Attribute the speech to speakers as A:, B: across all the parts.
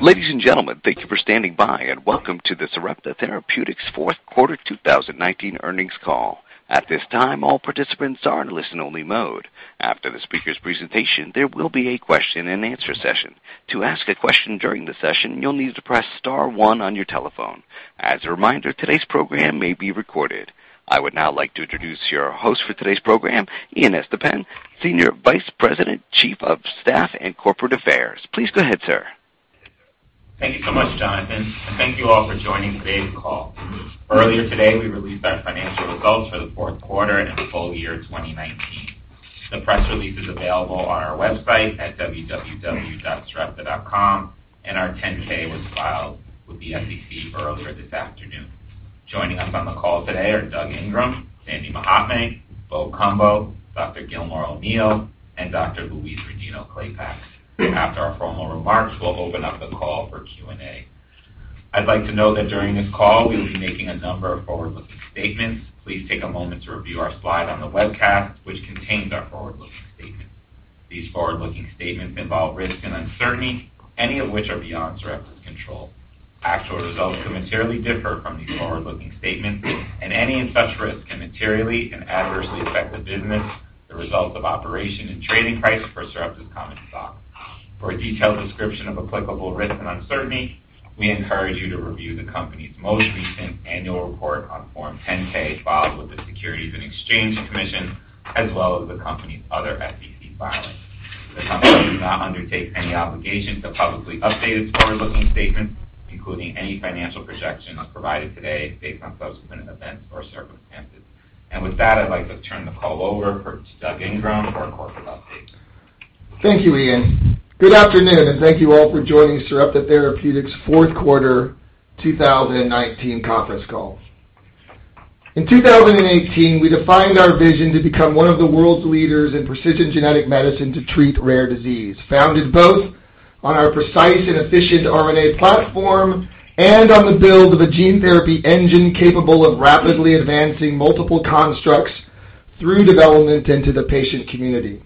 A: Ladies and gentlemen, thank you for standing by, and welcome to the Sarepta Therapeutics's fourth quarter 2019 earnings call. At this time, all participants are in listen only mode. After the speaker's presentation, there will be a question and answer session. To ask a question during the session, you'll need to press star one on your telephone. As a reminder, today's program may be recorded. I would now like to introduce your host for today's program, Ian Estepan, Senior Vice President, Chief of Staff and Corporate Affairs. Please go ahead, sir.
B: Thank you so much, Jonathan, and thank you all for joining today's call. Earlier today, we released our financial results for the fourth quarter and full year 2019. The press release is available on our website at www.sarepta.com, and our 10-K was filed with the SEC earlier this afternoon. Joining us on the call today are Doug Ingram, Sandy Mahatme, Bo Cumbo, Dr. Gilmore O'Neill, and Dr. Louise Rodino-Klapac. After our formal remarks, we'll open up the call for Q&A. I'd like to note that during this call, we will be making a number of forward-looking statements. Please take a moment to review our slide on the webcast, which contains our forward-looking statements. These forward-looking statements involve risk and uncertainty, any of which are beyond Sarepta's control. Actual results can materially differ from these forward-looking statements, and any and such risks can materially and adversely affect the business, the results of operation, and trading price for Sarepta's common stock. For a detailed description of applicable risk and uncertainty, we encourage you to review the company's most recent annual report on Form 10-K filed with the Securities and Exchange Commission, as well as the company's other SEC filings. The company does not undertake any obligation to publicly update its forward-looking statements, including any financial projections as provided today based on subsequent events or circumstances. With that, I'd like to turn the call over for Doug Ingram for a corporate update.
C: Thank you, Ian. Good afternoon, and thank you all for joining Sarepta Therapeutics' fourth quarter 2019 conference call. In 2018, we defined our vision to become one of the world's leaders in precision genetic medicine to treat rare disease, founded both on our precise and efficient RNA platform and on the build of a gene therapy engine capable of rapidly advancing multiple constructs through development into the patient community.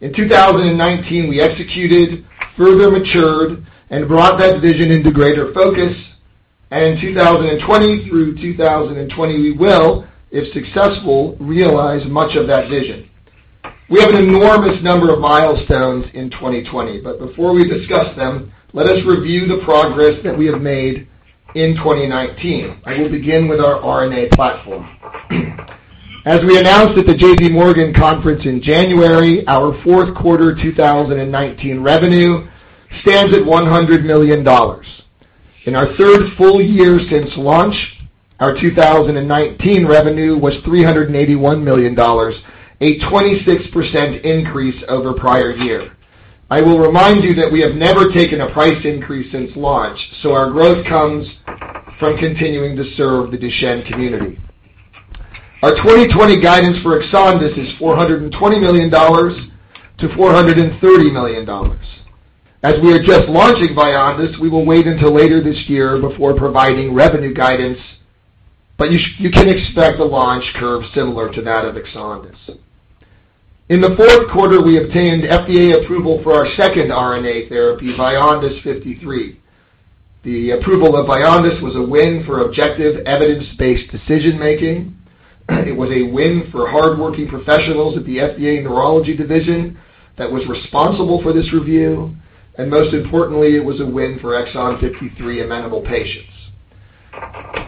C: In 2019, we executed, further matured, and brought that vision into greater focus. In 2020 through 2020, we will, if successful, realize much of that vision. We have an enormous number of milestones in 2020, but before we discuss them, let us review the progress that we have made in 2019. I will begin with our RNA platform. As we announced at the JPMorgan conference in January, our fourth quarter 2019 revenue stands at $100 million. In our third full year since launch, our 2019 revenue was $381 million, a 26% increase over prior year. I will remind you that we have never taken a price increase since launch. Our growth comes from continuing to serve the Duchenne community. Our 2020 guidance for Exondys is $420 million-$430 million. As we are just launching VYONDYS, we will wait until later this year before providing revenue guidance. You can expect the launch curve similar to that of Exondys. In the fourth quarter, we obtained FDA approval for our second RNA therapy, VYONDYS 53. The approval of VYONDYS was a win for objective evidence-based decision making. It was a win for hardworking professionals at the Division of Neurology I that was responsible for this review, and most importantly, it was a win for exon 53-amenable patients.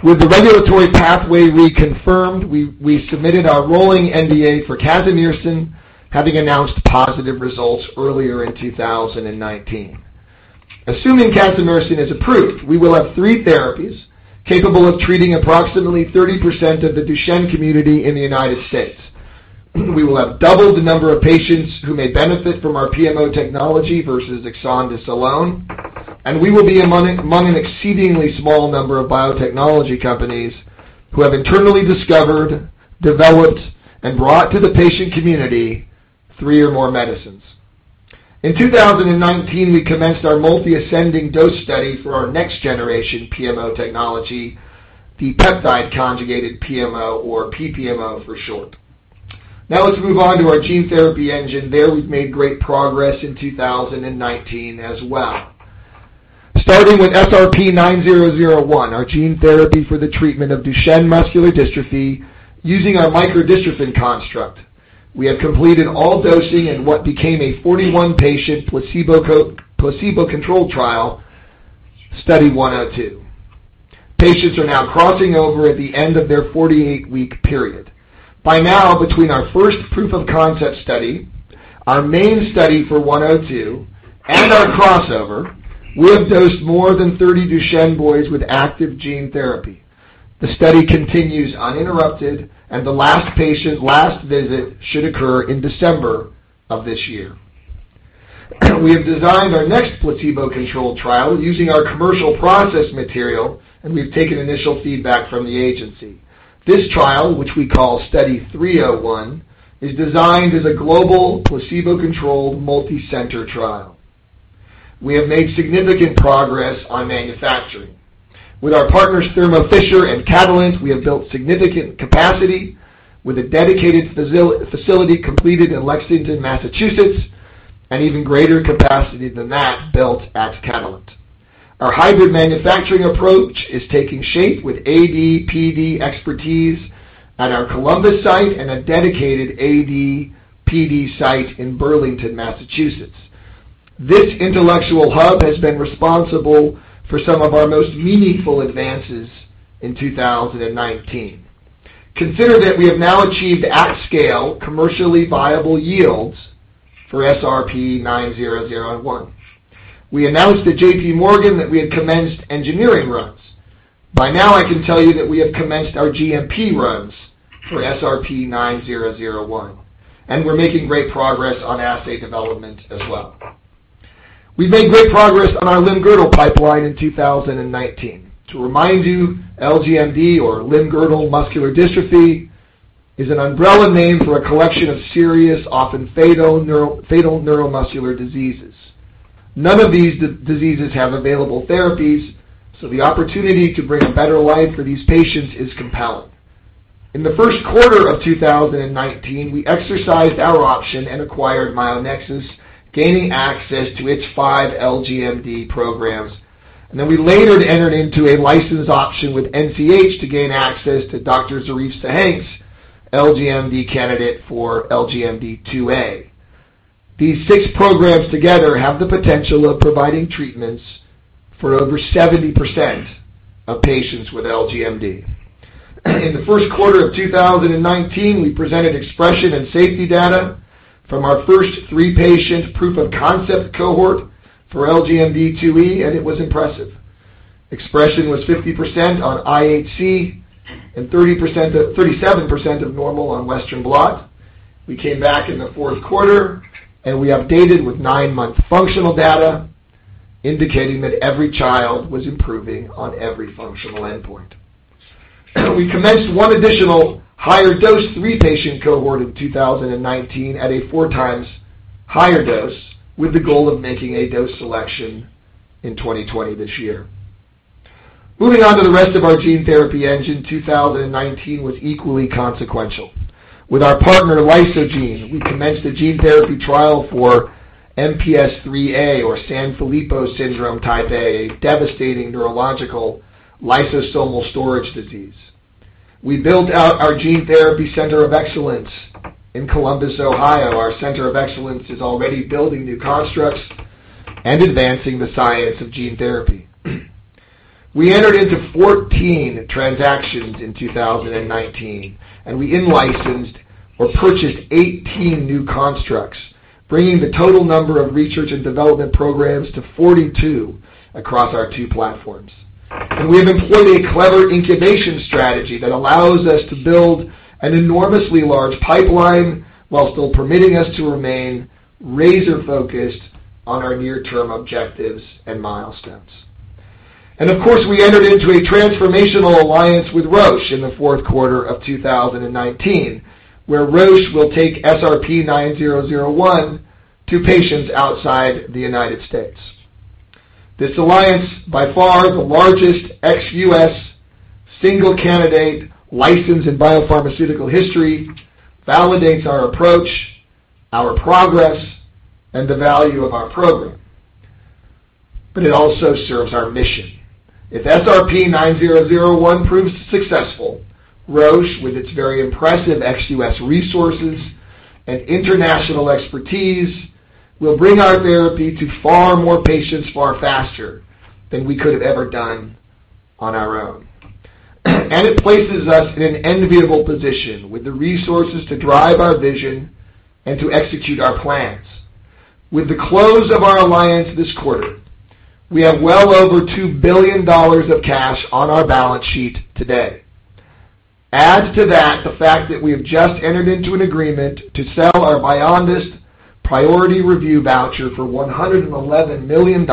C: With the regulatory pathway reconfirmed, we submitted our rolling NDA for casimersen, having announced positive results earlier in 2019. Assuming casimersen is approved, we will have three therapies capable of treating approximately 30% of the Duchenne community in the U.S. We will have doubled the number of patients who may benefit from our PMO technology versus EXONDYS alone, and we will be among an exceedingly small number of biotechnology companies who have internally discovered, developed, and brought to the patient community three or more medicines. In 2019, we commenced our multi-ascending dose study for our next generation PMO technology, the peptide conjugated PMO, or PPMO for short. Now let's move on to our gene therapy engine. There we've made great progress in 2019 as well. Starting with SRP-9001, our gene therapy for the treatment of Duchenne muscular dystrophy using our micro-dystrophin construct. We have completed all dosing in what became a 41-patient placebo-controlled trial, Study 102. Patients are now crossing over at the end of their 48-week period. By now, between our first proof of concept study, our main study for 102, and our crossover, we have dosed more than 30 Duchenne boys with active gene therapy. The study continues uninterrupted. The last patient last visit should occur in December of this year. We have designed our next placebo-controlled trial using our commercial process material. We've taken initial feedback from the agency. This trial, which we call Study 301, is designed as a global placebo-controlled multi-center trial. We have made significant progress on manufacturing. With our partners Thermo Fisher and Catalent, we have built significant capacity with a dedicated facility completed in Lexington, Massachusetts. Even greater capacity than that built at Catalent. Our hybrid manufacturing approach is taking shape with AD/PD expertise at our Columbus site and a dedicated AD/PD site in Burlington, Massachusetts. This intellectual hub has been responsible for some of our most meaningful advances in 2019. Consider that we have now achieved at-scale commercially viable yields for SRP-9001. We announced to JPMorgan that we had commenced engineering runs. By now, I can tell you that we have commenced our GMP runs for SRP-9001, and we're making great progress on assay development as well. We've made great progress on our limb-girdle pipeline in 2019. To remind you, LGMD, or limb-girdle muscular dystrophy, is an umbrella name for a collection of serious, often fatal neuromuscular diseases. None of these diseases have available therapies, the opportunity to bring a better life for these patients is compelling. In the first quarter of 2019, we exercised our option and acquired Myonexus, gaining access to its five LGMD programs. We later entered into a license option with NCH to gain access to Dr. Shareece Hesketh's LGMD candidate for LGMD2A. These six programs together have the potential of providing treatments for over 70% of patients with LGMD. In the first quarter of 2019, we presented expression and safety data from our first three-patient proof of concept cohort for LGMD2E, and it was impressive. Expression was 50% on IHC and 37% of normal on Western blot. We came back in the fourth quarter, and we updated with nine-month functional data indicating that every child was improving on every functional endpoint. We commenced one additional higher dose three-patient cohort in 2019 at a four times higher dose with the goal of making a dose selection in 2020 this year. Moving on to the rest of our gene therapy engine, 2019 was equally consequential. With our partner Lysogene, we commenced a gene therapy trial for MPS 3A, or Sanfilippo syndrome type A, a devastating neurological lysosomal storage disease. We built out our gene therapy center of excellence in Columbus, Ohio. Our center of excellence is already building new constructs and advancing the science of gene therapy. We entered into 14 transactions in 2019. We in-licensed or purchased 18 new constructs, bringing the total number of research and development programs to 42 across our two platforms. We've employed a clever incubation strategy that allows us to build an enormously large pipeline while still permitting us to remain razor-focused on our near-term objectives and milestones. Of course, we entered into a transformational alliance with Roche in the fourth quarter of 2019, where Roche will take SRP-9001 to patients outside the U.S. This alliance, by far the largest ex-US single candidate licensed in biopharmaceutical history, validates our approach, our progress, and the value of our program. It also serves our mission. If SRP-9001 proves successful, Roche, with its very impressive ex-US resources and international expertise, will bring our therapy to far more patients far faster than we could have ever done on our own. It places us in an enviable position with the resources to drive our vision and to execute our plans. With the close of our alliance this quarter, we have well over $2 billion of cash on our balance sheet today. Add to that the fact that we have just entered into an agreement to sell our VYONDYS priority review voucher for $111 million.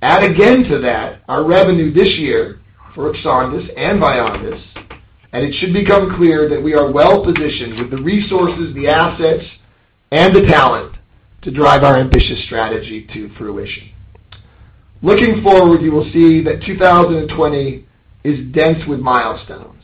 C: Add again to that our revenue this year for Exondys and VYONDYS, and it should become clear that we are well-positioned with the resources, the assets, and the talent to drive our ambitious strategy to fruition. Looking forward, you will see that 2020 is dense with milestones.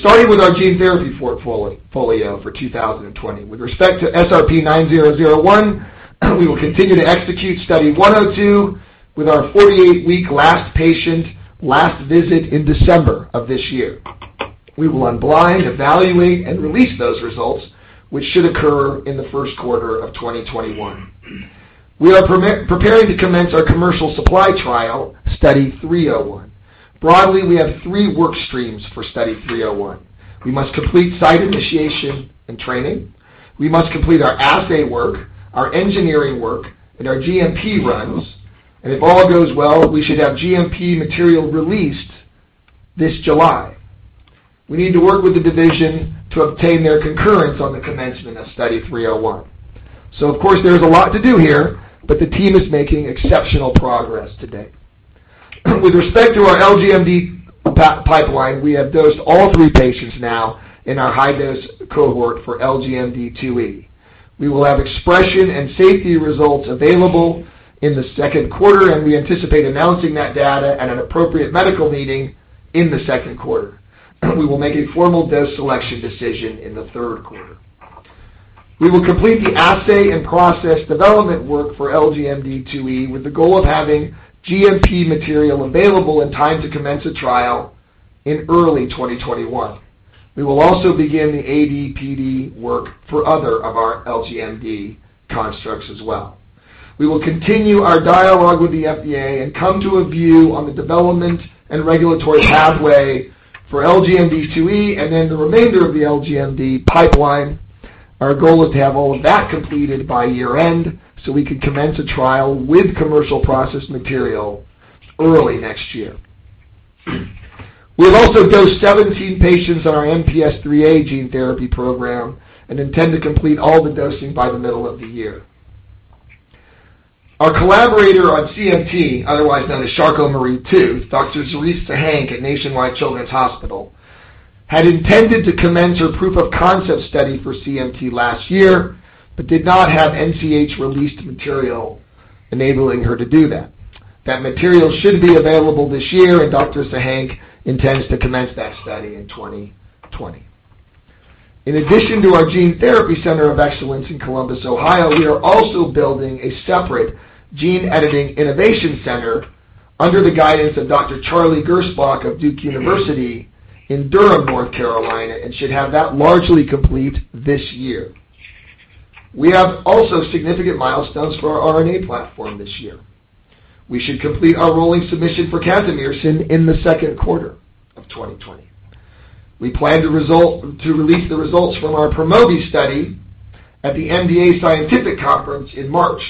C: Starting with our gene therapy portfolio for 2020. With respect to SRP-9001, we will continue to execute Study 102 with our 48-week last patient, last visit in December of this year. We will unblind, evaluate, and release those results, which should occur in the first quarter of 2021. We are preparing to commence our commercial supply trial, Study 301. Broadly, we have three work streams for Study 301. We must complete site initiation and training. We must complete our assay work, our engineering work, and our GMP runs. If all goes well, we should have GMP material released this July. We need to work with the division to obtain their concurrence on the commencement of Study 301. Of course, there is a lot to do here, but the team is making exceptional progress to date. With respect to our LGMD pipeline, we have dosed all three patients now in our high-dose cohort for LGMD2E. We will have expression and safety results available in the second quarter, and we anticipate announcing that data at an appropriate medical meeting in the second quarter. We will make a formal dose selection decision in the third quarter. We will complete the assay and process development work for LGMD2E with the goal of having GMP material available in time to commence a trial in early 2021. We will also begin the AD/PD work for other of our LGMD constructs as well. We will continue our dialogue with the FDA and come to a view on the development and regulatory pathway for LGMD2E and then the remainder of the LGMD pipeline. Our goal is to have all of that completed by year-end so we can commence a trial with commercial process material early next year. We'll also dose 17 patients on our MPS IIIA gene therapy program and intend to complete all the dosing by the middle of the year. Our collaborator on CMT, otherwise known as Charcot-Marie-Tooth, Dr. Jerry Mendell at Nationwide Children's Hospital, had intended to commence her proof of concept study for CMT last year but did not have NCH-released material enabling her to do that. That material should be available this year, and Dr. Mendell intends to commence that study in 2020. In addition to our gene therapy center of excellence in Columbus, Ohio, we are also building a separate gene editing innovation center under the guidance of Dr. Charles Gersbach of Duke University in Durham, North Carolina, and should have that largely complete this year. We have also significant milestones for our RNA platform this year. We should complete our rolling submission for casimersen in the second quarter of 2020. We plan to release the results from our PROMOVI study at the MDA Scientific Conference in March.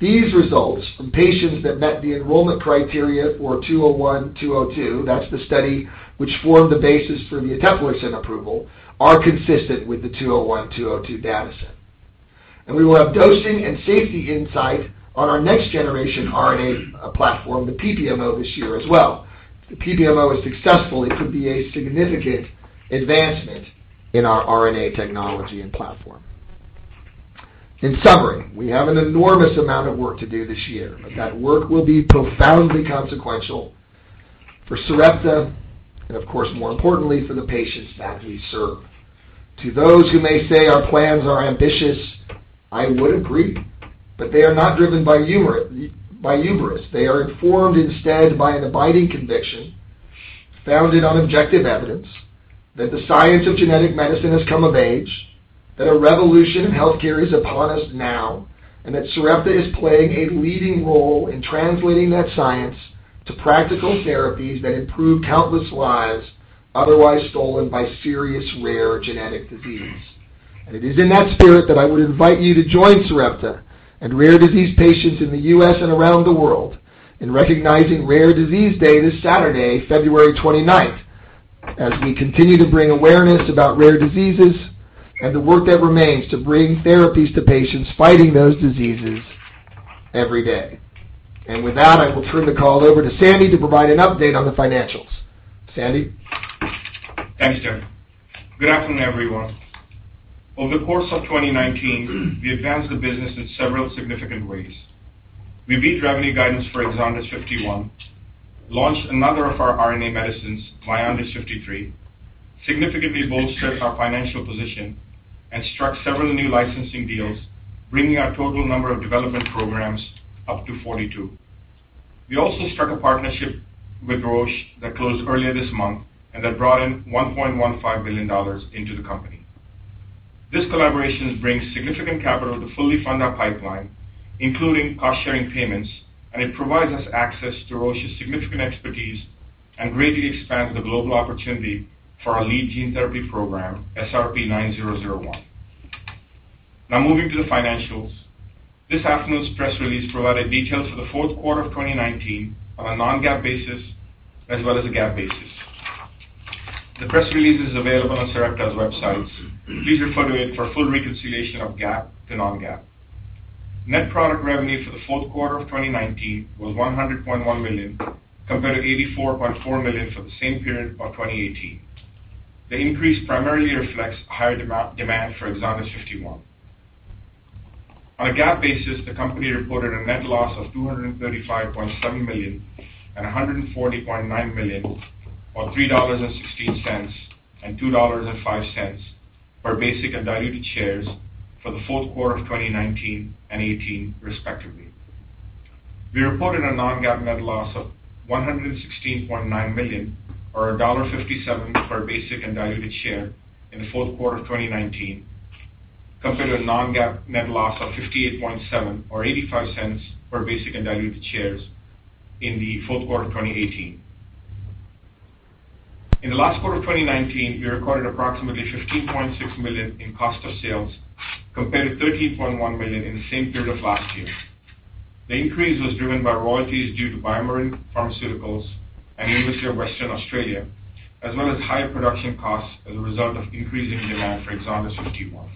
C: These results from patients that met the enrollment criteria for 201/202, that's the study which formed the basis for the eteplirsen approval, are consistent with the 201/202 data set. We will have dosing and safety insight on our next generation RNA platform, the PPMO, this year as well. If the PPMO is successful, it could be a significant advancement in our RNA technology and platform. In summary, we have an enormous amount of work to do this year, but that work will be profoundly consequential for Sarepta and, of course, more importantly for the patients that we serve. To those who may say our plans are ambitious, I would agree, but they are not driven by hubris. They are informed instead by an abiding conviction founded on objective evidence that the science of genetic medicine has come of age, that a revolution in healthcare is upon us now, and that Sarepta is playing a leading role in translating that science to practical therapies that improve countless lives otherwise stolen by serious rare genetic disease. It is in that spirit that I would invite you to join Sarepta and rare disease patients in the U.S. and around the world in recognizing Rare Disease Day this Saturday, February 29th, as we continue to bring awareness about rare diseases and the work that remains to bring therapies to patients fighting those diseases every day. With that, I will turn the call over to Sandy to provide an update on the financials. Sandy?
D: Thanks, Doug. Good afternoon, everyone. Over the course of 2019, we advanced the business in several significant ways. We beat revenue guidance for EXONDYS 51, launched another of our RNA medicines, VYONDYS 53, significantly bolstered our financial position, struck several new licensing deals, bringing our total number of development programs up to 42. We also struck a partnership with Roche that closed earlier this month, that brought in $1.15 billion into the company. This collaboration brings significant capital to fully fund our pipeline, including cost-sharing payments, it provides us access to Roche's significant expertise and greatly expands the global opportunity for our lead gene therapy program, SRP-9001. Moving to the financials. This afternoon's press release provided details for the fourth quarter of 2019 on a non-GAAP basis as well as a GAAP basis. The press release is available on Sarepta's websites. Please refer to it for full reconciliation of GAAP to non-GAAP. Net product revenue for the fourth quarter of 2019 was $100.1 million compared to $84.4 million for the same period of 2018. The increase primarily reflects higher demand for EXONDYS 51. On a GAAP basis, the company reported a net loss of $235.7 million and $140.9 million, or $3.16 and $2.05 per basic and diluted shares for the fourth quarter of 2019 and 2018, respectively. We reported a non-GAAP net loss of $116.9 million or $1.57 per basic and diluted share in the fourth quarter of 2019 compared to a non-GAAP net loss of $58.7 or $0.85 per basic and diluted shares in the fourth quarter of 2018. In the last quarter of 2019, we recorded approximately $15.6 million in cost of sales compared to $13.1 million in the same period of last year. The increase was driven by royalties due to BioMarin Pharmaceutical and University of Western Australia, as well as higher production costs as a result of increasing demand for EXONDYS 51.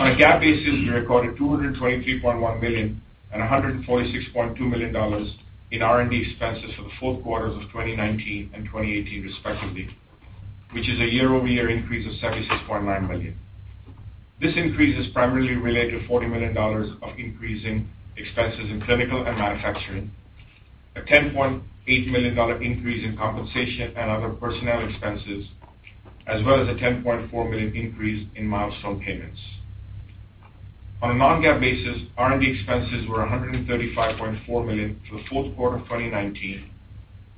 D: On a GAAP basis, we recorded $223.1 million and $146.2 million in R&D expenses for the fourth quarters of 2019 and 2018 respectively, which is a year-over-year increase of $76.9 million. This increase is primarily related to $40 million of increasing expenses in clinical and manufacturing, a $10.8 million increase in compensation and other personnel expenses, as well as a $10.4 million increase in milestone payments. On a non-GAAP basis, R&D expenses were $135.4 million for the fourth quarter of 2019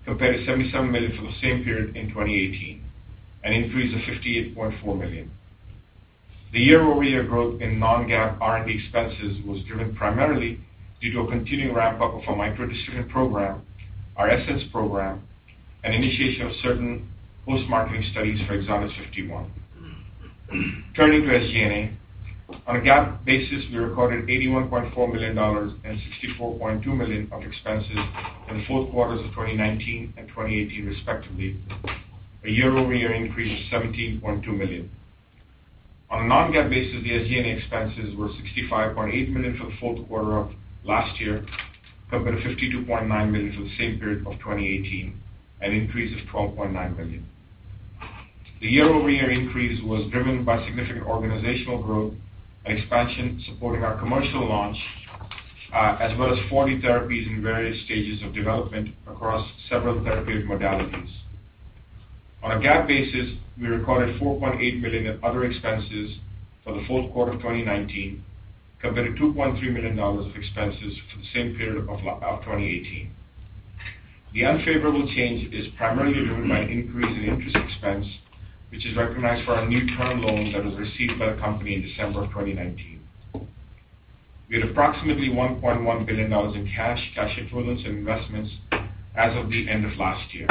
D: compared to $77 million for the same period in 2018, an increase of $58.4 million. The year-over-year growth in non-GAAP R&D expenses was driven primarily due to a continuing ramp-up of a micro-dystrophin program, our ESSENCE program, and initiation of certain post-marketing studies for EXONDYS 51. Turning to SG&A. On a GAAP basis, we recorded $81.4 million and $64.2 million of expenses in the 4th quarters of 2019 and 2018, respectively, a year-over-year increase of $17.2 million. On a non-GAAP basis, the SG&A expenses were $65.8 million for the 4th quarter of last year, compared to $52.9 million for the same period of 2018, an increase of $12.9 million. The year-over-year increase was driven by significant organizational growth and expansion supporting our commercial launch, as well as 40 therapies in various stages of development across several therapeutic modalities. On a GAAP basis, we recorded $4.8 million of other expenses for the fourth quarter of 2019, compared to $2.3 million of expenses for the same period of 2018. The unfavorable change is primarily driven by an increase in interest expense, which is recognized for our new term loan that was received by the company in December of 2019. We had approximately $1.1 billion in cash equivalents, and investments as of the end of last year.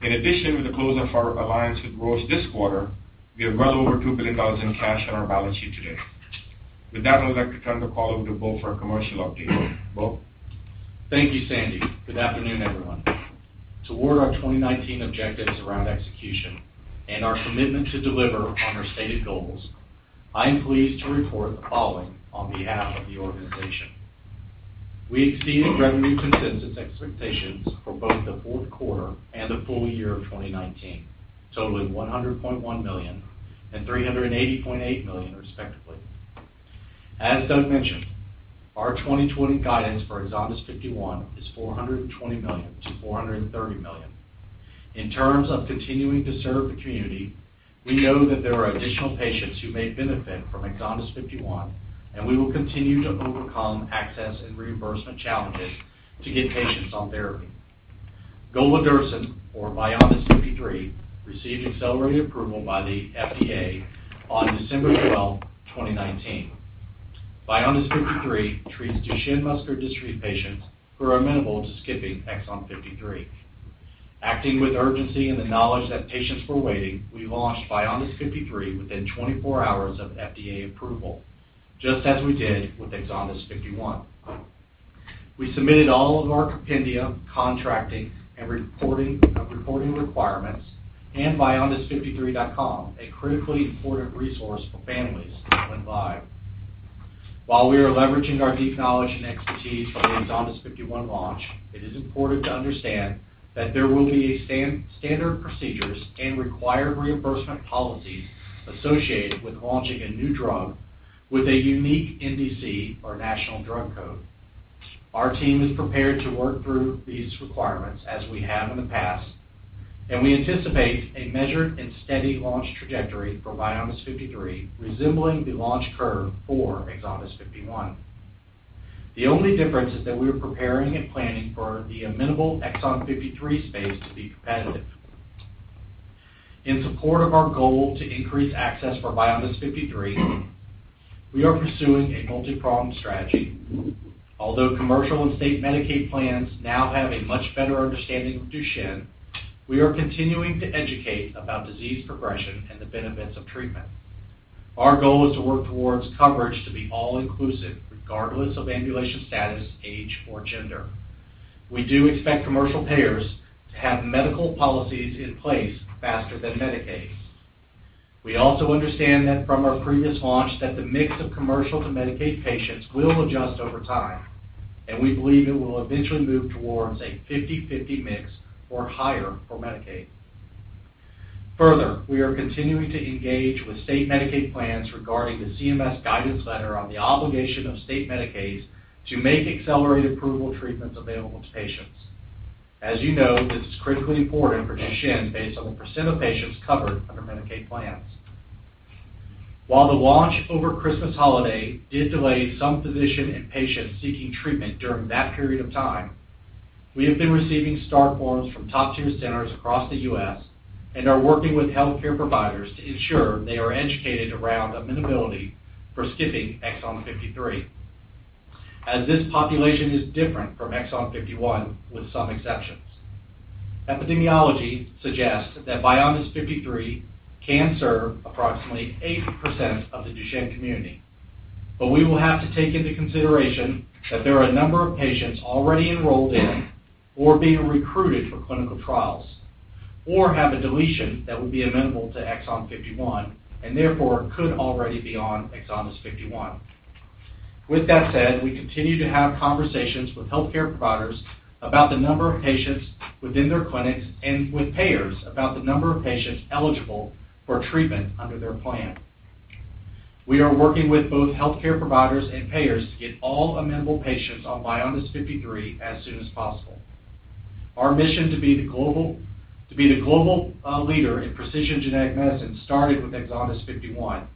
D: In addition, with the close of our alliance with Roche this quarter, we have well over $2 billion in cash on our balance sheet today. With that, I'd like to turn the call over to Bo for a commercial update. Bo?
E: Thank you, Sandy. Good afternoon, everyone. Toward our 2019 objectives around execution and our commitment to deliver on our stated goals, I am pleased to report the following on behalf of the organization. We exceeded revenue consensus expectations for both the fourth quarter and the full year of 2019, totaling $100.1 million and $380.8 million, respectively. As Doug mentioned, our 2020 guidance for EXONDYS 51 is $420 million to $430 million. In terms of continuing to serve the community, we know that there are additional patients who may benefit from EXONDYS 51, and we will continue to overcome access and reimbursement challenges to get patients on therapy. golodirsen, or VYONDYS 53, received accelerated approval by the FDA on December 12, 2019. VYONDYS 53 treats Duchenne muscular dystrophy patients who are amenable to skipping exon 53. Acting with urgency and the knowledge that patients were waiting, we launched VYONDYS 53 within 24 hours of FDA approval, just as we did with EXONDYS 51. We submitted all of our compendia, contracting, and reporting requirements, and vyondys53.com, a critically important resource for families, went live. While we are leveraging our deep knowledge and expertise from the EXONDYS 51 launch, it is important to understand that there will be standard procedures and required reimbursement policies associated with launching a new drug with a unique NDC, or National Drug Code. Our team is prepared to work through these requirements as we have in the past, and we anticipate a measured and steady launch trajectory for VYONDYS 53, resembling the launch curve for EXONDYS 51. The only difference is that we are preparing and planning for the amenable exon 53 space to be competitive. In support of our goal to increase access for VYONDYS 53, we are pursuing a multi-pronged strategy. Although commercial and state Medicaid plans now have a much better understanding of Duchenne, we are continuing to educate about disease progression and the benefits of treatment. Our goal is to work towards coverage to be all-inclusive, regardless of ambulation status, age, or gender. We do expect commercial payers to have medical policies in place faster than Medicaid. We also understand that from our previous launch, that the mix of commercial to Medicaid patients will adjust over time, and we believe it will eventually move towards a 50/50 mix or higher for Medicaid. We are continuing to engage with state Medicaid plans regarding the CMS guidance letter on the obligation of state Medicaid to make accelerated approval treatments available to patients. As you know, this is critically important for Duchenne based on the 80% of patients covered under Medicaid plans. While the launch over Christmas holiday did delay some physician and patients seeking treatment during that period of time, we have been receiving start forms from top tier centers across the U.S. and are working with healthcare providers to ensure they are educated around amenability for skipping exon 53, as this population is different from exon 51, with some exceptions. Epidemiology suggests that VYONDYS 53 can serve approximately 80% of the Duchenne community. We will have to take into consideration that there are a number of patients already enrolled in or being recruited for clinical trials, or have a deletion that would be amenable to exon 51, and therefore could already be on EXONDYS 51. With that said, we continue to have conversations with healthcare providers about the number of patients within their clinics and with payers about the number of patients eligible for treatment under their plan. We are working with both healthcare providers and payers to get all amenable patients on VYONDYS 53 as soon as possible. Our mission to be the global leader in precision genetic medicine started with EXONDYS 51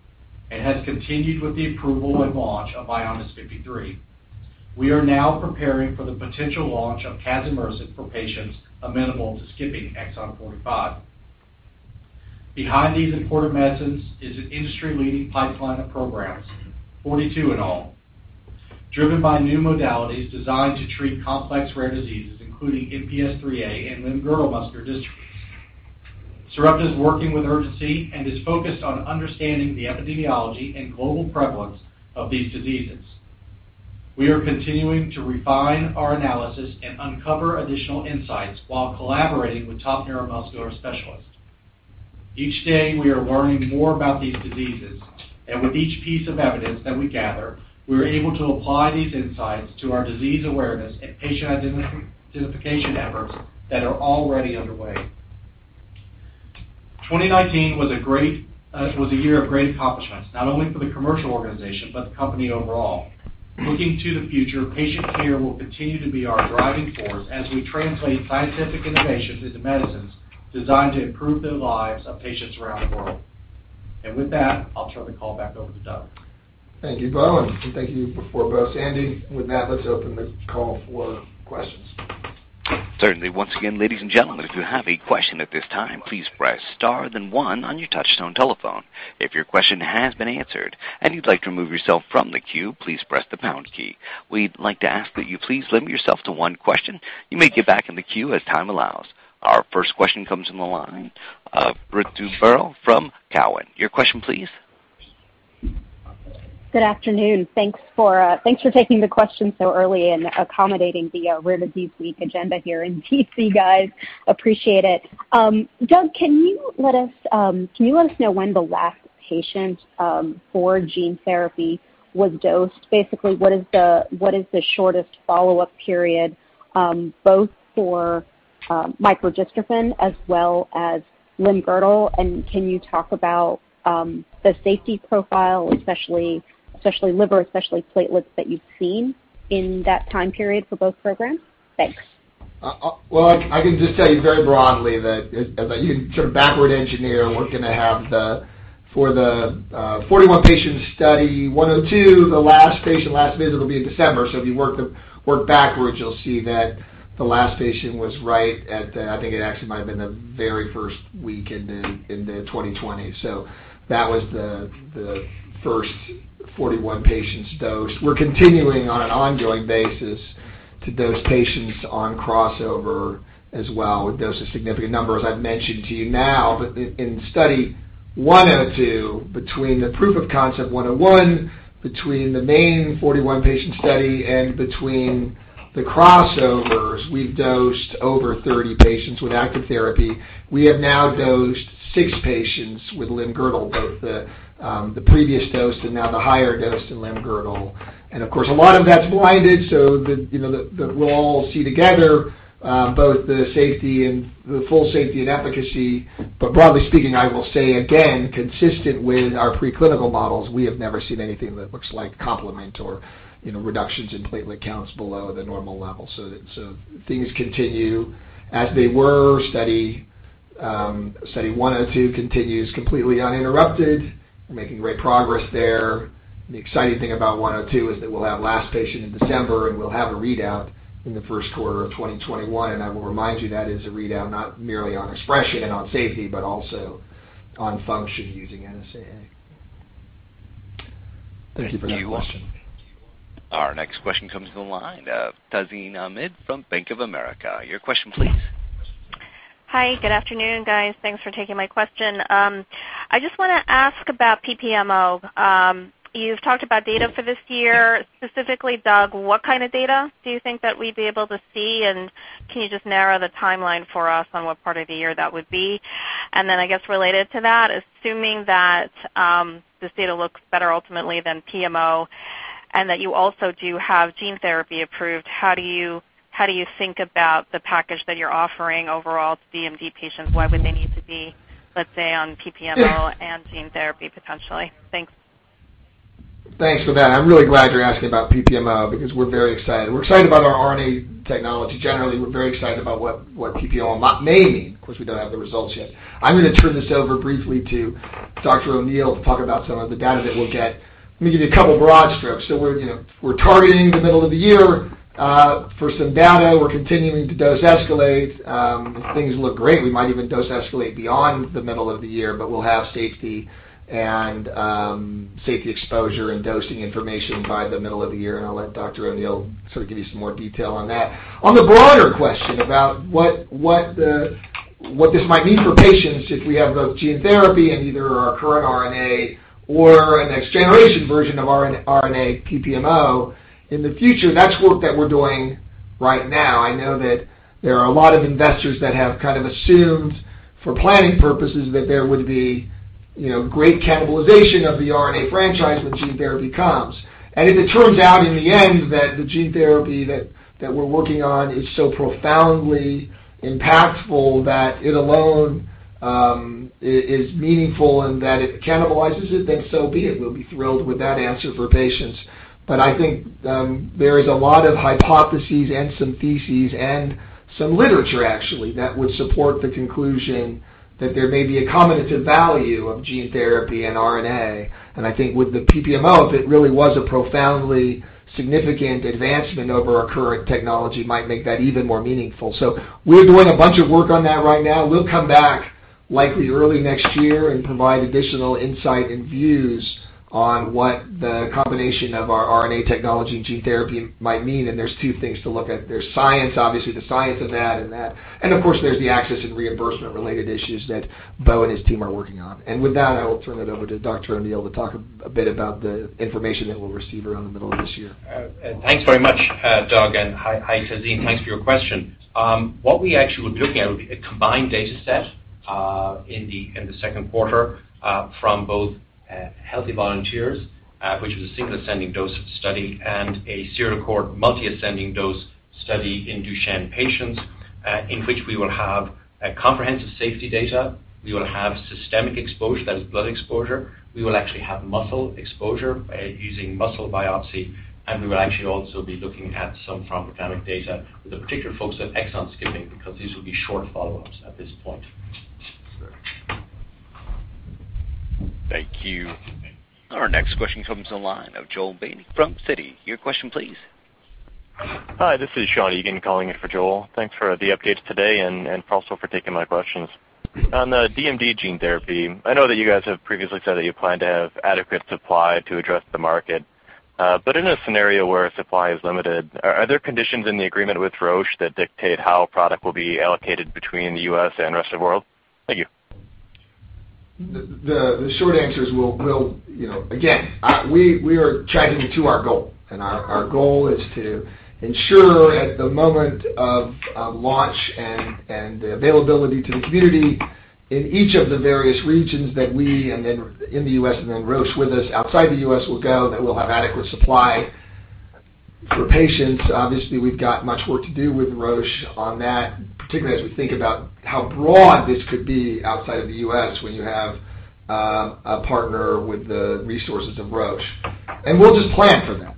E: and has continued with the approval and launch of VYONDYS 53. We are now preparing for the potential launch of casimersen for patients amenable to skipping exon 45. Behind these important medicines is an industry-leading pipeline of programs, 42 in all, driven by new modalities designed to treat complex rare diseases, including MPS IIIA and Limb-Girdle Muscular Dystrophy. Sarepta is working with urgency and is focused on understanding the epidemiology and global prevalence of these diseases. We are continuing to refine our analysis and uncover additional insights while collaborating with top neuromuscular specialists. Each day, we are learning more about these diseases, and with each piece of evidence that we gather, we are able to apply these insights to our disease awareness and patient identification efforts that are already underway. 2019 was a year of great accomplishments, not only for the commercial organization, but the company overall. Looking to the future, patient care will continue to be our driving force as we translate scientific innovations into medicines designed to improve the lives of patients around the world. With that, I'll turn the call back over to Doug.
C: Thank you, Bo, and thank you before Bo. Sandy, with that, let's open the call for questions.
A: Certainly. Once again, ladies and gentlemen, if you have a question at this time, please press star then one on your touchtone telephone. If your question has been answered and you would like to remove yourself from the queue, please press the pound key. We would like to ask that you please limit yourself to one question. You may get back in the queue as time allows. Our first question comes from the line of Ritu Baral from Cowen. Your question, please.
F: Good afternoon. Thanks for taking the question so early and accommodating the Rare Disease Week agenda here in D.C., guys. Appreciate it. Doug, can you let us know when the last patient for gene therapy was dosed? Basically, what is the shortest follow-up period, both for micro-dystrophin as well as limb-girdle? Can you talk about the safety profile, especially liver, especially platelets, that you've seen in that time period for both programs? Thanks.
C: Well, I can just tell you very broadly that you can sort of backward engineer, we're going to have for the 41-patient Study 102, the last patient, last visit will be in December. If you work backwards, you'll see that the last patient was right at the, I think it actually might have been the very first week in 2020. That was the first 41 patients dosed. We're continuing on an ongoing basis to dose patients on crossover as well. We've dosed a significant number, as I've mentioned to you now. In Study 102, between the proof of concept 101, between the main 41-patient study, and between the crossovers, we've dosed over 30 patients with active therapy. We have now dosed six patients with Limb-Girdle, both the previous dose and now the higher dose in Limb-Girdle. Of course, a lot of that's blinded, so we'll all see together both the safety and the full safety and efficacy. Broadly speaking, I will say again, consistent with our preclinical models, we have never seen anything that looks like complement or reductions in platelet counts below the normal level. Things continue as they were. Study 102 continues completely uninterrupted. We're making great progress there. The exciting thing about 102 is that we'll have last patient in December, and we'll have a readout in the first quarter of 2021. I will remind you that is a readout not merely on expression and on safety, but also on function using NSAA.
F: Thank you for that question.
C: You're welcome.
A: Our next question comes from the line of Tazeen Ahmad from Bank of America. Your question, please.
G: Hi. Good afternoon, guys. Thanks for taking my question. I just want to ask about PPMO. You've talked about data for this year, specifically, Doug, what kind of data do you think that we'd be able to see? Can you just narrow the timeline for us on what part of the year that would be? I guess related to that, assuming that this data looks better ultimately than PMO and that you also do have gene therapy approved, how do you think about the package that you're offering overall to DMD patients? Why would they need to be, let's say, on PPMO and gene therapy potentially? Thanks.
C: Thanks for that. I'm really glad you're asking about PPMO because we're very excited. We're excited about our RNA technology generally. We're very excited about what PPMO may mean. Of course, we don't have the results yet. I'm going to turn this over briefly to Dr. O'Neill to talk about some of the data that we'll get. Let me give you a couple broad strokes. We're targeting the middle of the year for some data. We're continuing to dose escalate. If things look great, we might even dose escalate beyond the middle of the year, but we'll have safety and safety exposure and dosing information by the middle of the year, and I'll let Dr. O'Neill sort of give you some more detail on that. On the broader question about what this might mean for patients if we have both gene therapy and either our current RNA or a next-generation version of RNA PPMO in the future, that's work that we're doing right now. I know that there are a lot of investors that have kind of assumed, for planning purposes, that there would be great cannibalization of the RNA franchise when gene therapy comes. If it turns out in the end that the gene therapy that we're working on is so profoundly impactful that it alone is meaningful and that it cannibalizes it, then so be it. We'll be thrilled with that answer for patients. I think there is a lot of hypotheses and some theses and some literature, actually, that would support the conclusion that there may be a combinative value of gene therapy and RNA. I think with the PPMO, if it really was a profoundly significant advancement over our current technology, it might make that even more meaningful. We're doing a bunch of work on that right now. We'll come back likely early next year and provide additional insight and views on what the combination of our RNA technology and gene therapy might mean. There's two things to look at. There's science, obviously, the science of that, and of course, there's the access and reimbursement-related issues that Bo and his team are working on. With that, I will turn it over to Dr. O'Neill to talk a bit about the information that we'll receive around the middle of this year.
H: Thanks very much, Doug, and hi, Tazeen. Thanks for your question. What we actually will be looking at will be a combined data set in the second quarter from both healthy volunteers, which is a single ascending dose study, and a serial cohort multi-ascending dose study in Duchenne patients, in which we will have comprehensive safety data. We will have systemic exposure, that is blood exposure. We will actually have muscle exposure using muscle biopsy, and we will actually also be looking at some pharmacokinetic data with a particular focus on exon skipping, because these will be short follow-ups at this point.
C: Sure.
A: Thank you. Our next question comes on the line of Joel Beatty from Citi. Your question, please.
I: Hi, this is Shawn Egan calling in for Joel. Thanks for the updates today and also for taking my questions. On the DMD gene therapy, I know that you guys have previously said that you plan to have adequate supply to address the market. In a scenario where supply is limited, are there conditions in the agreement with Roche that dictate how product will be allocated between the U.S. and rest of world? Thank you.
C: The short answer is, again, we are chugging to our goal, and our goal is to ensure at the moment of launch and the availability to the community in each of the various regions that we, and then in the U.S. and then Roche with us outside the U.S., will go, that we'll have adequate supply for patients. Obviously, we've got much work to do with Roche on that, particularly as we think about how broad this could be outside of the U.S., when you have a partner with the resources of Roche. We'll just plan for that.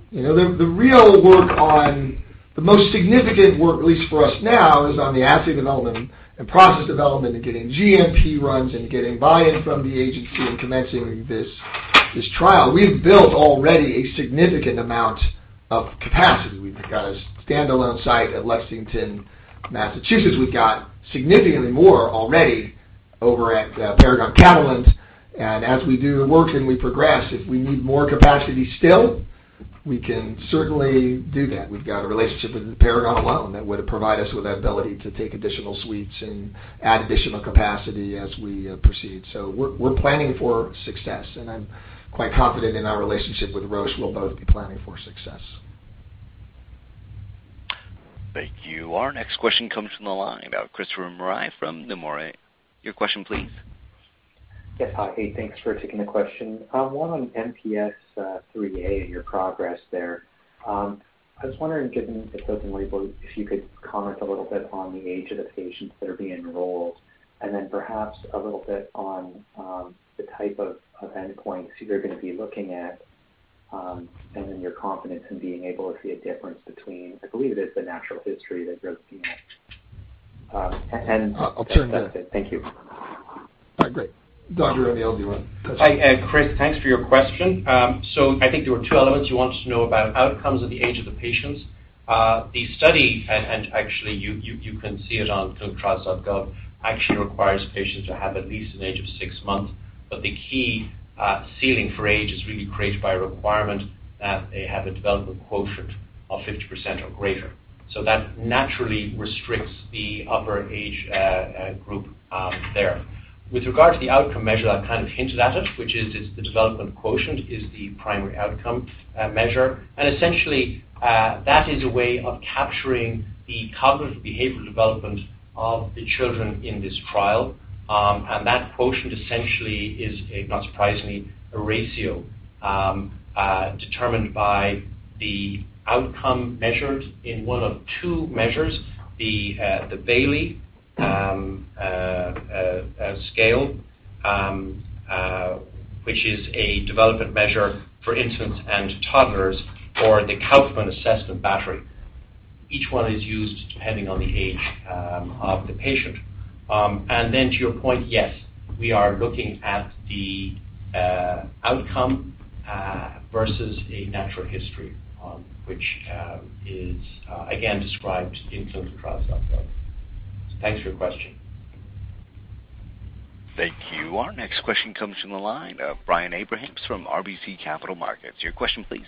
C: The most significant work, at least for us now, is on the assay development and process development and getting GMP runs and getting buy-in from the agency and commencing this trial. We've built already a significant amount of capacity. We've got a standalone site at Lexington, Massachusetts. We've got significantly more already over at Paragon Bioservices. As we do the work and we progress, if we need more capacity still, we can certainly do that. We've got a relationship with Paragon alone that would provide us with that ability to take additional suites and add additional capacity as we proceed. We're planning for success, and I'm quite confident in our relationship with Roche. We'll both be planning for success.
A: Thank you. Our next question comes from the line of Christopher Marai from Nomura Institute. Your question, please.
J: Yes, Hi. Hey, thanks for taking the question. One on MPS IIIA and your progress there. I was wondering, given the clinical label, if you could comment a little bit on the age of the patients that are being enrolled, then perhaps a little bit on the type of endpoints you're going to be looking at, then your confidence in being able to see a difference between, I believe it is, the natural history that you're seeing.
C: I'll turn to-
J: That's it. Thank you.
C: Great. Dr. O'Neill, do you want this one?
H: Chris, thanks for your question. I think there were two elements you wanted to know about, outcomes of the age of the patients. The study, and actually you can see it on clinicaltrials.gov, actually requires patients to have at least an age of six months. The key ceiling for age is really created by a requirement that they have a development quotient of 50% or greater. That naturally restricts the upper age group there. With regard to the outcome measure, I've kind of hinted at it, which is the development quotient is the primary outcome measure. Essentially, that is a way of capturing the cognitive behavioral development of the children in this trial. That quotient essentially is, not surprisingly, a ratio determined by the outcome measured in one of two measures, the Bayley Scales which is a development measure for infants and toddlers, or the Kaufman Assessment Battery. Each one is used depending on the age of the patient. To your point, yes, we are looking at the outcome versus a natural history, which is again described in clinicaltrials.gov. Thanks for your question.
A: Thank you. Our next question comes from the line of Brian Abrahams from RBC Capital Markets. Your question, please.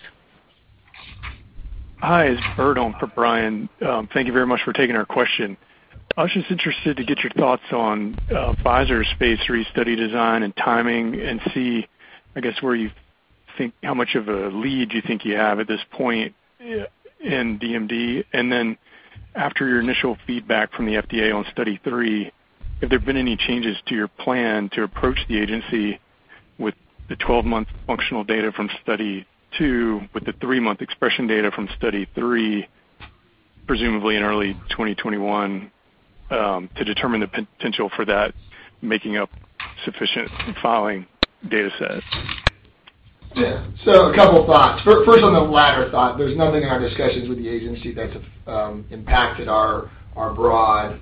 K: Hi, it's Brian for Brian. Thank you very much for taking our question. I was just interested to get your thoughts on Pfizer's Phase 3 study design and timing and see, I guess, how much of a lead you think you have at this point in DMD. After your initial feedback from the FDA on Study 3, have there been any changes to your plan to approach the agency with the 12-month functional data from Study 2 with the three-month expression data from Study 3, presumably in early 2021, to determine the potential for that making up sufficient filing data set?
C: Yeah. A couple thoughts. First, on the latter thought, there's nothing in our discussions with the agency that's impacted our broad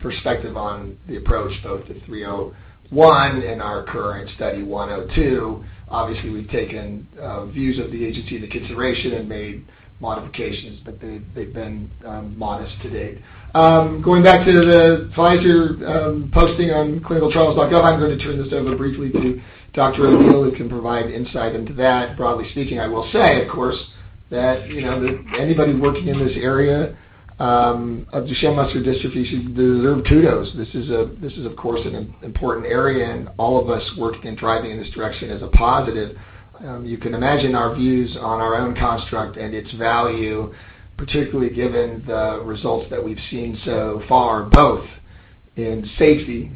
C: perspective on the approach both to 301 and our current Study 102. Obviously, we've taken views of the agency into consideration and made modifications, but they've been modest to date. Going back to the Pfizer posting on clinicaltrials.gov, I'm going to turn this over briefly to Dr. O'Neill, who can provide insight into that. Broadly speaking, I will say, of course, that anybody working in this area of Duchenne muscular dystrophy should deserve kudos. This is, of course, an important area, and all of us working and driving in this direction is a positive. You can imagine our views on our own construct and its value, particularly given the results that we've seen so far, both in safety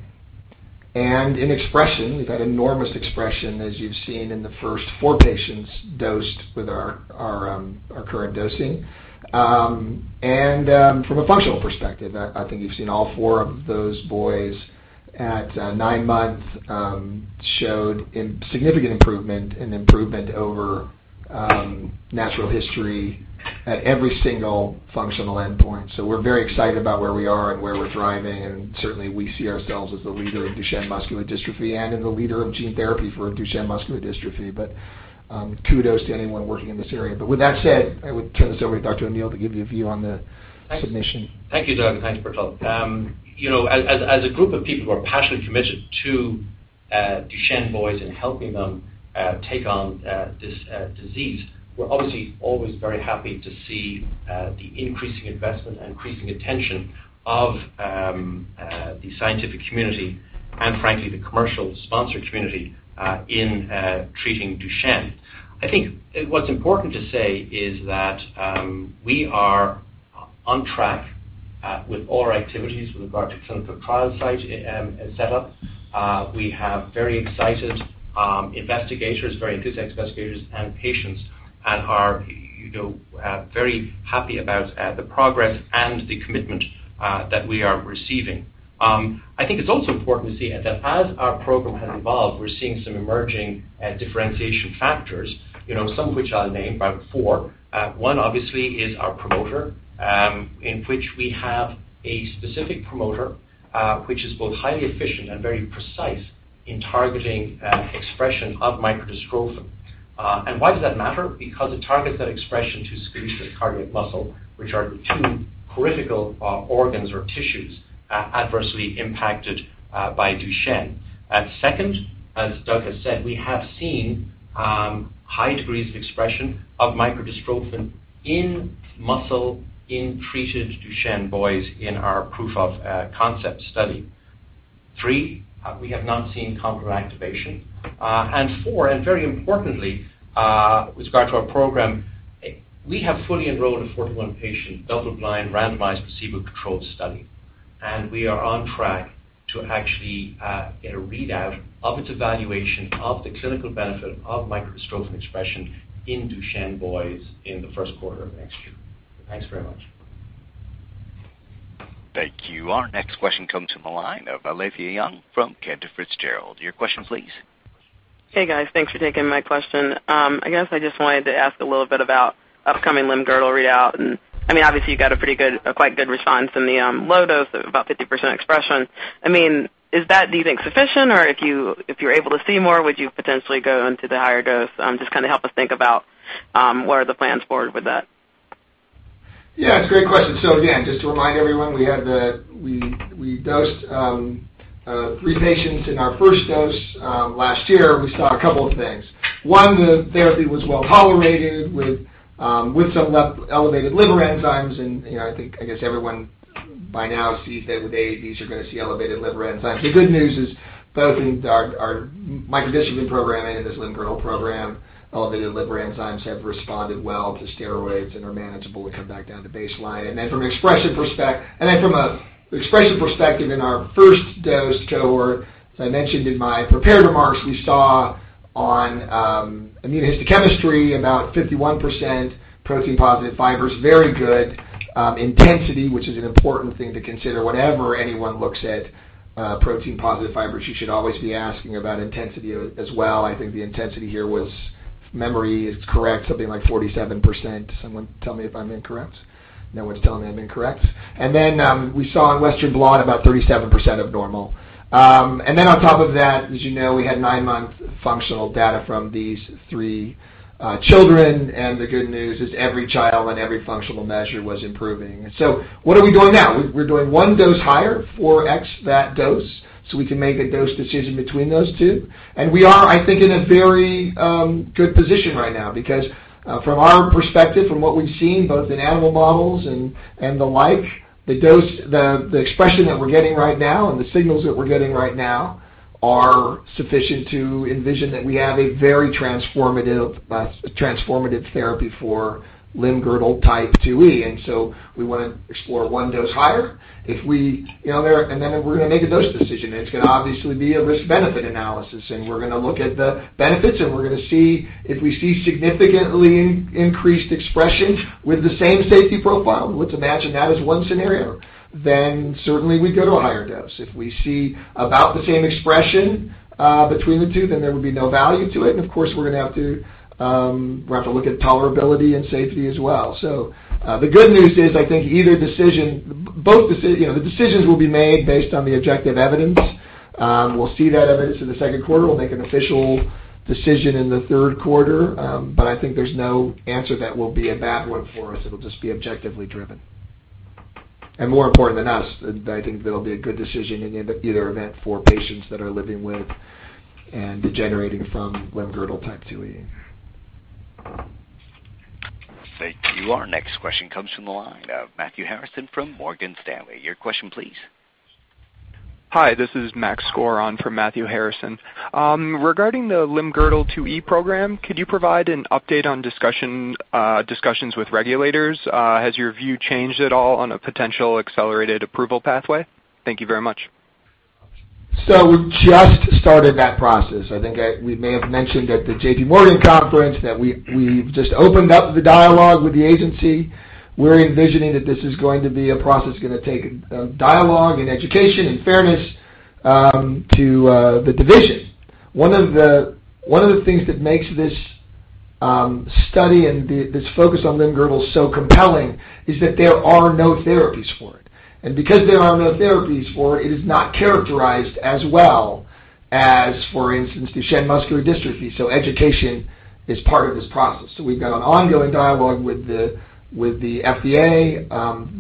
C: and in expression. We've had enormous expression, as you've seen in the first four patients dosed with our current dosing. From a functional perspective, I think you've seen all four of those boys at nine months showed significant improvement and improvement over natural history at every single functional endpoint. We're very excited about where we are and where we're driving, and certainly we see ourselves as a leader in Duchenne muscular dystrophy and in the leader of gene therapy for Duchenne muscular dystrophy. Kudos to anyone working in this area. With that said, I would turn this over to Dr. O'Neill to give you a view on the submission.
H: Thank you, Doug. Thanks, Bertel. As a group of people who are passionately committed to Duchenne boys and helping them take on this disease, we're obviously always very happy to see the increasing investment and increasing attention of the scientific community. Frankly, the commercial sponsor community in treating Duchenne. I think what's important to say is that we are on track with all our activities with regard to clinical trial site set up. We have very excited investigators, very enthusiastic investigators, and patients, and are very happy about the progress and the commitment that we are receiving. I think it's also important to see that as our program has evolved, we're seeing some emerging differentiation factors, some of which I'll name about four. One, obviously, is our promoter, in which we have a specific promoter which is both highly efficient and very precise in targeting expression of micro-dystrophin. Why does that matter? Because it targets that expression to skeletal and cardiac muscle, which are the two critical organs or tissues adversely impacted by Duchenne. Second, as Doug has said, we have seen high degrees of expression of micro-dystrophin in muscle in treated Duchenne boys in our proof of concept study. Three, we have not seen complement activation. Four, and very importantly, with regard to our program, we have fully enrolled a 41-patient, double-blind, randomized, placebo-controlled study. We are on track to actually get a readout of its evaluation of the clinical benefit of micro-dystrophin expression in Duchenne boys in the first quarter of next year. Thanks very much.
A: Thank you. Our next question comes from the line of Alethia Young from Cantor Fitzgerald. Your question, please.
L: Hey, guys. Thanks for taking my question. I guess I just wanted to ask a little bit about upcoming limb-girdle readout. Obviously, you got a quite good response in the low dose of about 50% expression. Is that, do you think, sufficient? If you're able to see more, would you potentially go into the higher dose? Just help us think about what are the plans forward with that.
C: It's a great question. Again, just to remind everyone, we dosed three patients in our first dose last year. We saw a couple of things. One, the therapy was well-tolerated with some elevated liver enzymes. I think everyone by now sees that with AAVs, you're going to see elevated liver enzymes. The good news is both in our micro-dystrophin program and in this limb-girdle program, elevated liver enzymes have responded well to steroids and are manageable to come back down to baseline. From an expression perspective in our first dose cohort, as I mentioned in my prepared remarks, we saw on immunohistochemistry about 51% protein-positive fibers, very good intensity, which is an important thing to consider. Whenever anyone looks at protein-positive fibers, you should always be asking about intensity as well. I think the intensity here was, if memory is correct, something like 47%. Someone tell me if I'm incorrect. No one's telling me I'm incorrect. We saw in Western blot about 37% of normal. On top of that, as you know, we had nine-month functional data from these three children, and the good news is every child on every functional measure was improving. What are we doing now? We're doing one dose higher, 4X that dose, so we can make a dose decision between those two. We are, I think, in a very good position right now, because from our perspective, from what we've seen both in animal models and the like, the expression that we're getting right now are sufficient to envision that we have a very transformative therapy for Limb-Girdle Type 2E, and so we want to explore one dose higher. We're going to make a dose decision. It's going to obviously be a risk-benefit analysis, and we're going to look at the benefits, and we're going to see if we see significantly increased expression with the same safety profile. Let's imagine that is one scenario. Certainly we'd go to a higher dose. If we see about the same expression between the two, then there would be no value to it, and of course, we're going to have to look at tolerability and safety as well. The good news is I think either decision, the decisions will be made based on the objective evidence. We'll see that evidence in the second quarter. We'll make an official decision in the third quarter. I think there's no answer that will be a bad one for us. It'll just be objectively driven. More important than us, I think that'll be a good decision in either event for patients that are living with and degenerating from Limb-Girdle Type 2E.
A: Thank you. Our next question comes from the line of Matthew Harrison from Morgan Stanley. Your question, please.
M: Hi, this is Max Skor on for Matthew Harrison. Regarding the LGMD2E program, could you provide an update on discussions with regulators? Has your view changed at all on a potential accelerated approval pathway? Thank you very much.
C: We've just started that process. I think we may have mentioned at the JPMorgan conference that we've just opened up the dialogue with the agency. We're envisioning that this is going to be a process that's going to take dialogue and education in fairness to the division. One of the things that makes this study and this focus on limb-girdle so compelling is that there are no therapies for it. Because there are no therapies for it is not characterized as well as, for instance, Duchenne muscular dystrophy. Education is part of this process. We've got an ongoing dialogue with the FDA,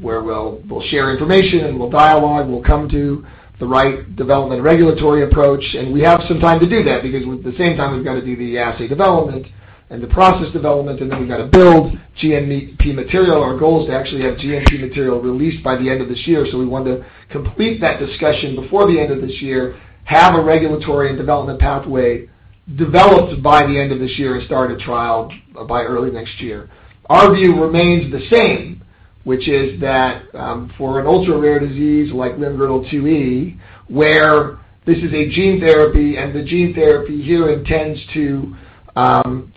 C: where we'll share information, and we'll dialogue, we'll come to the right development and regulatory approach. We have some time to do that because at the same time, we've got to do the assay development and the process development, and then we've got to build GMP material. Our goal is to actually have GMP material released by the end of this year. We want to complete that discussion before the end of this year, have a regulatory and development pathway developed by the end of this year, and start a trial by early next year. Our view remains the same, which is that for an ultra-rare disease like Limb-Girdle 2E, where this is a gene therapy and the gene therapy here intends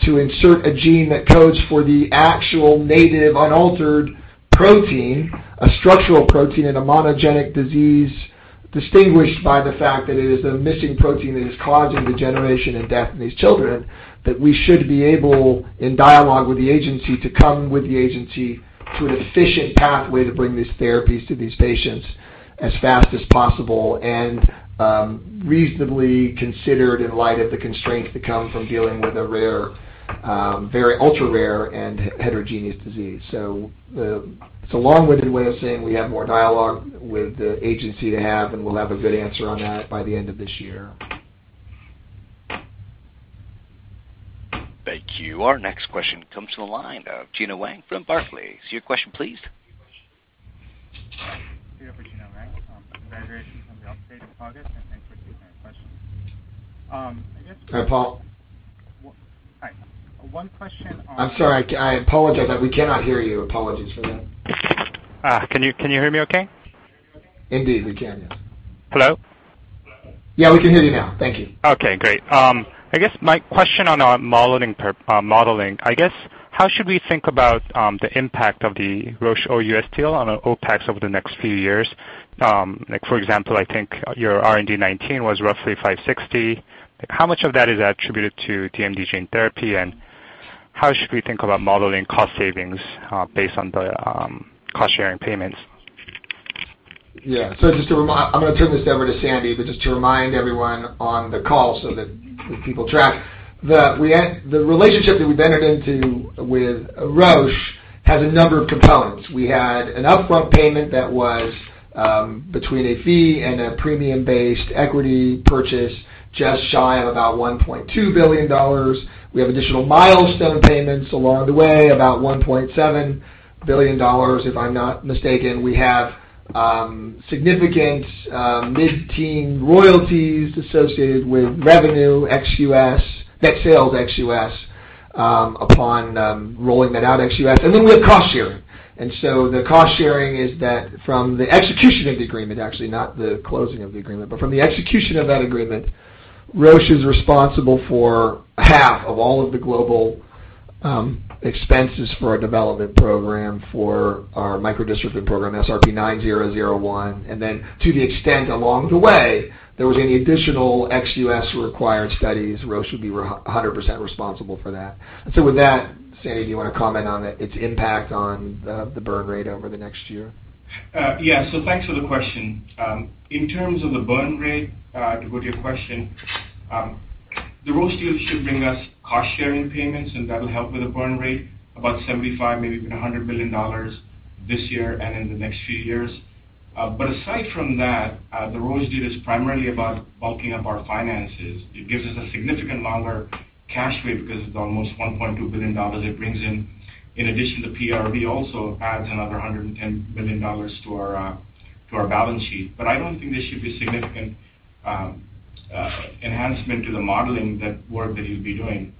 C: to insert a gene that codes for the actual native unaltered protein, a structural protein in a monogenic disease distinguished by the fact that it is the missing protein that is causing degeneration and death in these children, that we should be able, in dialogue with the agency, to come with the agency to an efficient pathway to bring these therapies to these patients as fast as possible, and reasonably considered in light of the constraints that come from dealing with a rare, very ultra-rare, and heterogeneous disease. It's a long-winded way of saying we have more dialogue with the agency to have, and we'll have a good answer on that by the end of this year.
A: Thank you. Our next question comes from the line of Gena Wang from Barclays. Your question, please.
N: Here for Gena Wang. Congratulations on the update in August, and thanks for taking our question.
C: Hi, Paul.
N: Hi. One question on-
C: I'm sorry. I apologize, but we cannot hear you. Apologies for that.
N: Can you hear me okay?
C: Indeed, we can. Yes.
N: Hello?
C: Yeah, we can hear you now. Thank you.
N: Okay, great. I guess my question on our modeling. I guess, how should we think about the impact of the Roche or US deal on OPEX over the next few years? For example, I think your R&D 2019 was roughly $560. How much of that is attributed to DMD gene therapy, and how should we think about modeling cost savings based on the cost-sharing payments?
C: Yeah. Just to remind, I'm going to turn this over to Sandy, but just to remind everyone on the call so that people track. The relationship that we've entered into with Roche has a number of components. We had an upfront payment that was between a fee and a premium-based equity purchase, just shy of about $1.2 billion. We have additional milestone payments along the way, about $1.7 billion, if I'm not mistaken. We have significant mid-teen royalties associated with revenue ex U.S., net sales ex U.S., upon rolling that out ex U.S., and then we have cost-sharing. The cost-sharing is that from the execution of the agreement, actually, not the closing of the agreement, but from the execution of that agreement, Roche is responsible for half of all of the global expenses for our development program for our micro-dystrophin program, SRP-9001. To the extent along the way there was any additional ex U.S. required studies, Roche would be 100% responsible for that. With that, Sandy, do you want to comment on its impact on the burn rate over the next year?
D: Thanks for the question. In terms of the burn rate, to go to your question, the Roche deal should bring us cost-sharing payments, and that'll help with the burn rate, about $75, maybe even $100 million this year and in the next few years. Aside from that, the Roche deal is primarily about bulking up our finances. It gives us a significant longer cash rate because it's almost $1.2 billion it brings in. In addition, the PRV also adds another $110 million to our To our balance sheet, I don't think this should be significant enhancement to the modeling work that you'll be doing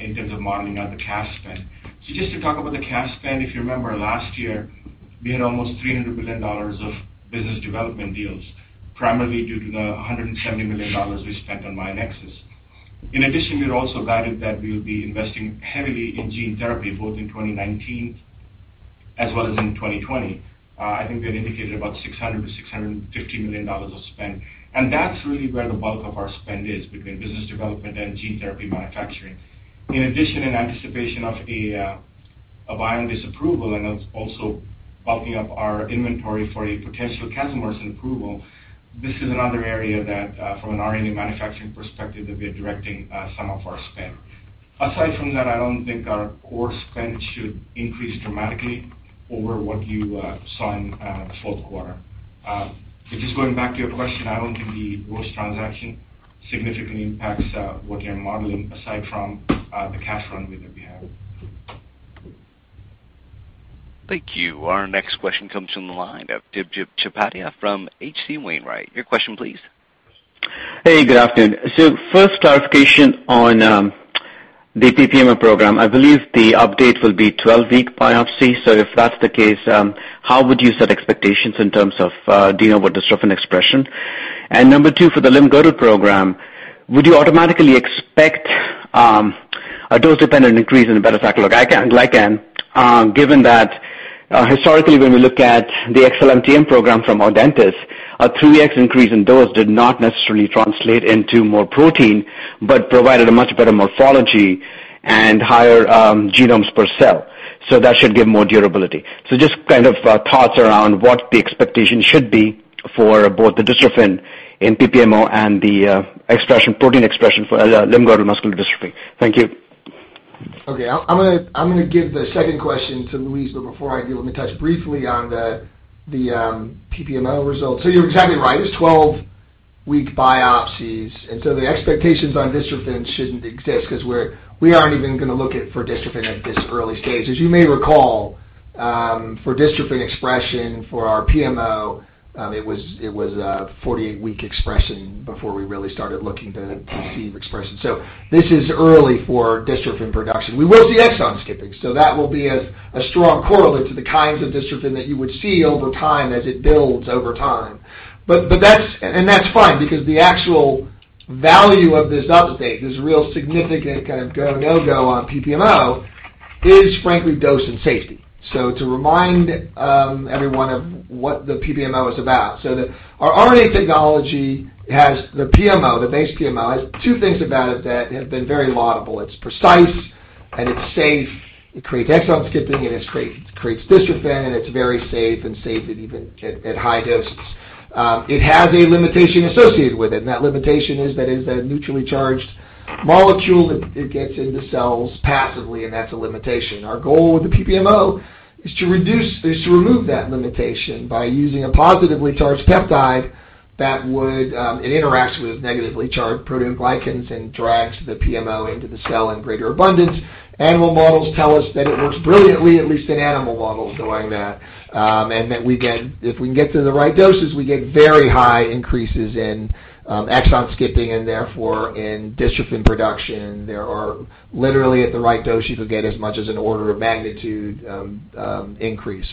D: in terms of modeling out the cash spend. Just to talk about the cash spend, if you remember last year, we had almost $300 million of business development deals, primarily due to the $170 million we spent on Myonexus Therapeutics. In addition, we had also guided that we will be investing heavily in gene therapy, both in 2019 as well as in 2020. I think we had indicated about $600 million-$650 million of spend. That's really where the bulk of our spend is, between business development and gene therapy manufacturing. In anticipation of a Biogen disapproval and also bulking up our inventory for a potential casimersen's approval, this is another area that, from an RNA manufacturing perspective, that we are directing some of our spend. Aside from that, I don't think our core spend should increase dramatically over what you saw in the fourth quarter. Just going back to your question, I don't think the Roche transaction significantly impacts what you're modeling aside from the cash run rate that we have.
A: Thank you. Our next question comes from the line of Debjit Chattopadhyay from H.C. Wainwright. Your question, please.
O: Hey, good afternoon. First clarification on the PPMO program. I believe the update will be 12-week biopsy. If that's the case, how would you set expectations in terms of dealing with dystrophin expression? Number two, for the limb-girdle program, would you automatically expect a dose-dependent increase in a beta-sarcoglycan, given that historically when we look at the XLMTM program from Audentes, a 3x increase in dose did not necessarily translate into more protein, but provided a much better morphology and higher genomes per cell. That should give more durability. Just thoughts around what the expectation should be for both the dystrophin in PPMO and the protein expression for limb-girdle muscular dystrophy. Thank you.
C: Okay. I'm going to give the second question to Louise, but before I do, let me touch briefly on the PPMO results. You're exactly right. It's 12-week biopsies, the expectations on dystrophin shouldn't exist because we aren't even going to look at for dystrophin at this early stage. As you may recall, for dystrophin expression for our PMO, it was a 48-week expression before we really started looking to receive expression. This is early for dystrophin production. We will see exon skipping. That will be a strong correlate to the kinds of dystrophin that you would see over time as it builds over time. That's fine because the actual value of this update, this real significant go, no go on PPMO, is frankly dose and safety. Our RNA technology has the PMO, the base PMO, has two things about it that have been very laudable. It's precise and it's safe. It creates exon skipping, and it creates dystrophin, and it's very safe and safe even at high doses. It has a limitation associated with it, and that limitation is that it is a neutrally charged molecule that gets into cells passively, and that's a limitation. Our goal with the PPMO is to remove that limitation by using a positively charged peptide that interacts with negatively charged proteoglycans and drags the PMO into the cell in greater abundance. Animal models tell us that it works brilliantly, at least in animal models, doing that. That if we can get to the right doses, we get very high increases in exon skipping and therefore in dystrophin production. There are literally at the right dose, you could get as much as an order of magnitude increase.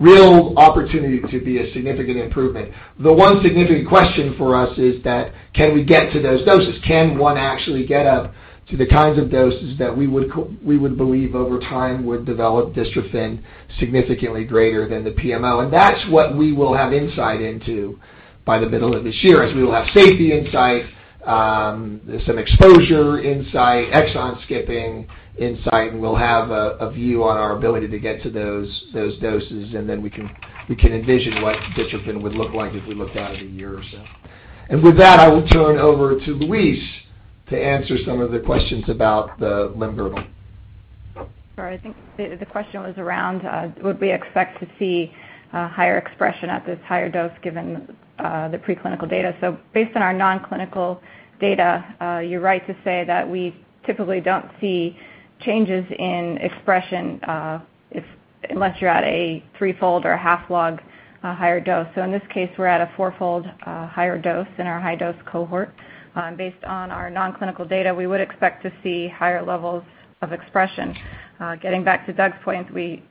C: Real opportunity to be a significant improvement. The one significant question for us is that, can we get to those doses? Can one actually get up to the kinds of doses that we would believe over time would develop dystrophin significantly greater than the PMO? That's what we will have insight into by the middle of this year, as we will have safety insight, some exposure insight, exon skipping insight, and we'll have a view on our ability to get to those doses, and then we can envision what dystrophin would look like if we looked out at a year or so. With that, I will turn over to Louise to answer some of the questions about the limb-girdle.
P: Sorry, I think the question was around, would we expect to see a higher expression at this higher dose given the preclinical data? Based on our non-clinical data, you're right to say that we typically don't see changes in expression unless you're at a threefold or a half log higher dose. In this case, we're at a fourfold higher dose in our high dose cohort. Based on our non-clinical data, we would expect to see higher levels of expression. Getting back to Doug's point, we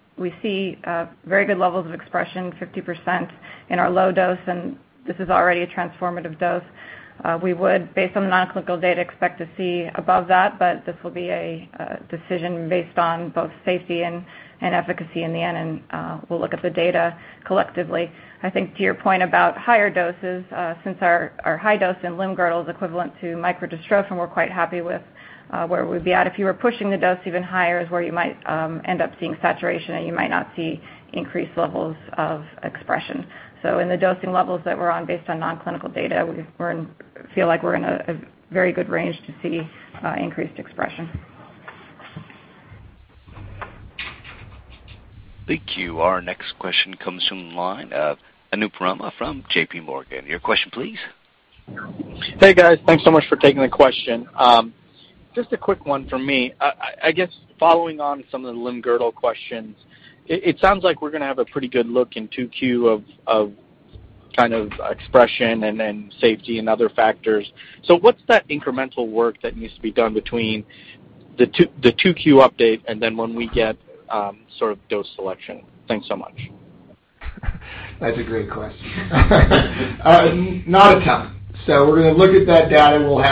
P: see very good levels of expression, 50% in our low dose, and this is already a transformative dose. We would, based on the non-clinical data, expect to see above that, this will be a decision based on both safety and efficacy in the end, and we'll look at the data collectively. I think to your point about higher doses, since our high dose in Limb-Girdle is equivalent to micro-dystrophin, we're quite happy with where we'd be at. If you were pushing the dose even higher is where you might end up seeing saturation and you might not see increased levels of expression. In the dosing levels that we're on based on non-clinical data, we feel like we're in a very good range to see increased expression.
A: Thank you. Our next question comes from the line of Anupam Rama from JPMorgan. Your question, please.
Q: Hey, guys. Thanks so much for taking the question. Just a quick one from me. I guess following on some of the Limb-Girdle questions, it sounds like we're going to have a pretty good look in 2Q of kind of expression and then safety and other factors. What's that incremental work that needs to be done between the 2Q update and then when we get sort of dose selection? Thanks so much.
C: That's a great question. Not a ton. We're going to look at that data. We'll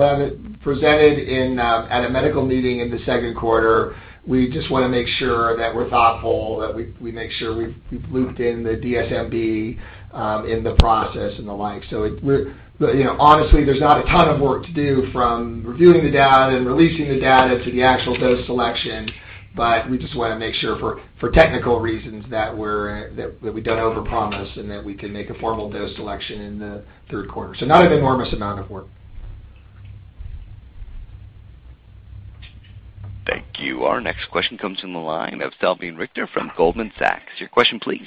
C: have it presented at a medical meeting in the second quarter. We just want to make sure that we're thoughtful, that we make sure we've looped in the DSMB in the process and the like. Honestly, there's not a ton of work to do from reviewing the data and releasing the data to the actual dose selection. We just want to make sure for technical reasons that we don't overpromise and that we can make a formal dose selection in the third quarter. Not an enormous amount of work.
A: Thank you. Our next question comes from the line of Salveen Richter from Goldman Sachs. Your question, please.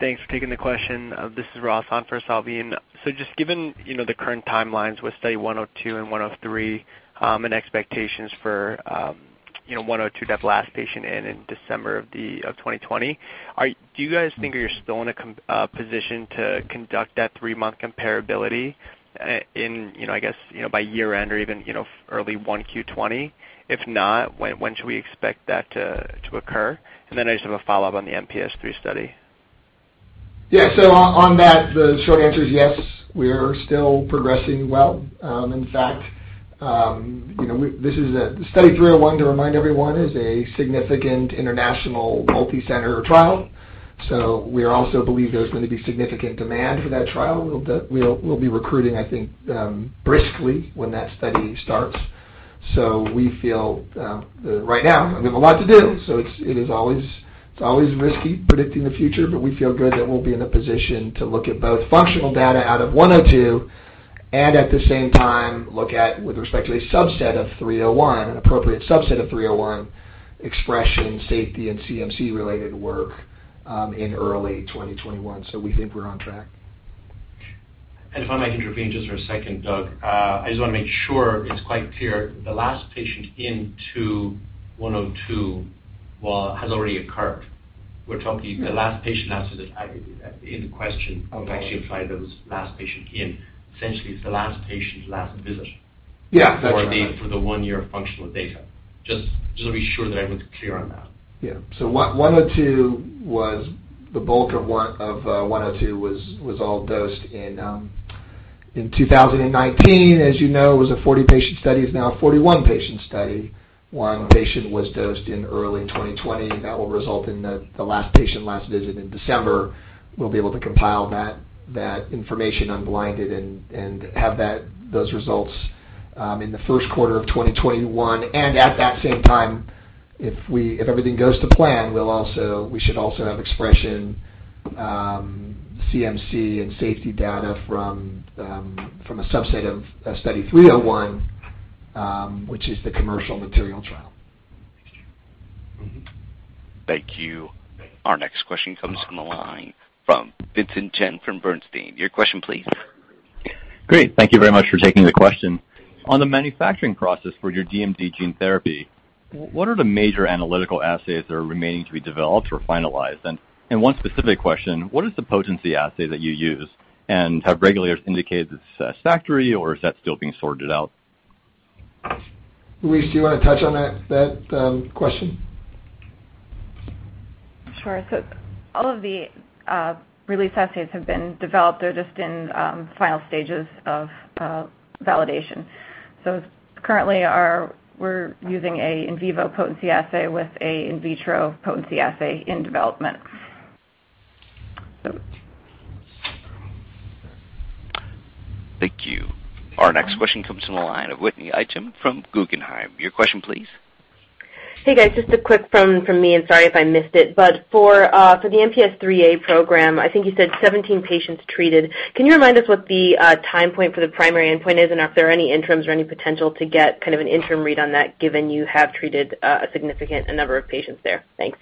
R: Thanks for taking the question. This is Ross on for Salveen. Just given the current timelines with Study 102 and Study 103, and expectations for Study 102 to have last patient in in December of 2020, do you guys think you're still in a position to conduct that three-month comparability in, I guess, by year-end or even early one Q 2020? If not, when should we expect that to occur? I just have a follow-up on the MPS III study.
C: Yeah. On that, the short answer is yes, we are still progressing well. In fact, Study 301, to remind everyone, is a significant international multicenter trial. We also believe there's going to be significant demand for that trial. We'll be recruiting, I think, briskly when that study starts. We feel right now, we have a lot to do. It's always risky predicting the future, but we feel good that we'll be in a position to look at both functional data out of Study 102 and at the same time look at, with respect to a subset of Study 301, an appropriate subset of Study 301, expression, safety, and CMC related work in early 2021. We think we're on track.
H: If I might intervene just for a second, Doug. I just want to make sure it's quite clear the last patient into 102 has already occurred. We're talking the last patient in question actually applied to this last patient in. Essentially, it's the last patient's last visit.
C: Yeah. That's right.
H: for the one year of functional data. Just to be sure that everyone's clear on that.
C: Yeah. The bulk of Study 102 was all dosed in 2019. As you know, it was a 40-patient study, it is now a 41-patient study. One patient was dosed in early 2020. That will result in the last patient last visit in December. We will be able to compile that information unblinded and have those results in the first quarter of 2021. At that same time, if everything goes to plan, we should also have expression CMC and safety data from a subset of Study 301, which is the commercial material trial.
H: Thank you.
A: Thank you. Our next question comes from the line from Vincent Chen from Bernstein. Your question, please.
S: Great. Thank you very much for taking the question. On the manufacturing process for your DMD gene therapy, what are the major analytical assays that are remaining to be developed or finalized? One specific question, what is the potency assay that you use? Have regulators indicated it's satisfactory or is that still being sorted out?
C: Louise, do you want to touch on that question?
P: Sure. All of the release assays have been developed. They're just in final stages of validation. Currently, we're using an in vivo potency assay with an in vitro potency assay in development.
S: Thank you.
A: Our next question comes from the line of Whitney Ijem from Guggenheim. Your question, please.
T: Hey, guys, just a quick one from me, and sorry if I missed it. For the MPS IIIA program, I think you said 17 patients treated. Can you remind us what the time point for the primary endpoint is? Are there any interims or any potential to get kind of an interim read on that, given you have treated a significant number of patients there? Thanks.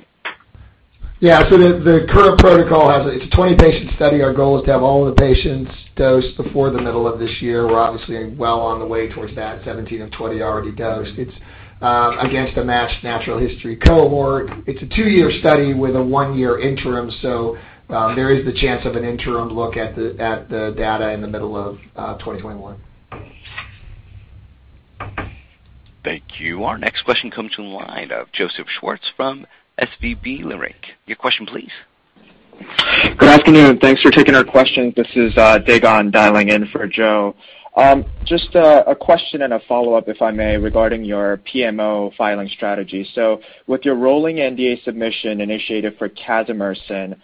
C: Yeah. The current protocol, it's a 20-patient study. Our goal is to have all of the patients dosed before the middle of this year. We're obviously well on the way towards that, 17 of 20 already dosed. It's against a matched natural history cohort. It's a two-year study with a one-year interim, so there is the chance of an interim look at the data in the middle of 2021.
A: Thank you. Our next question comes from the line of Joseph Schwartz from SVB Leerink. Your question, please.
U: Good afternoon. Thanks for taking our question. This is Dae Gon dialing in for Joe. Just a question and a follow-up, if I may, regarding your PMO filing strategy. With your rolling NDA submission initiative for casimersen,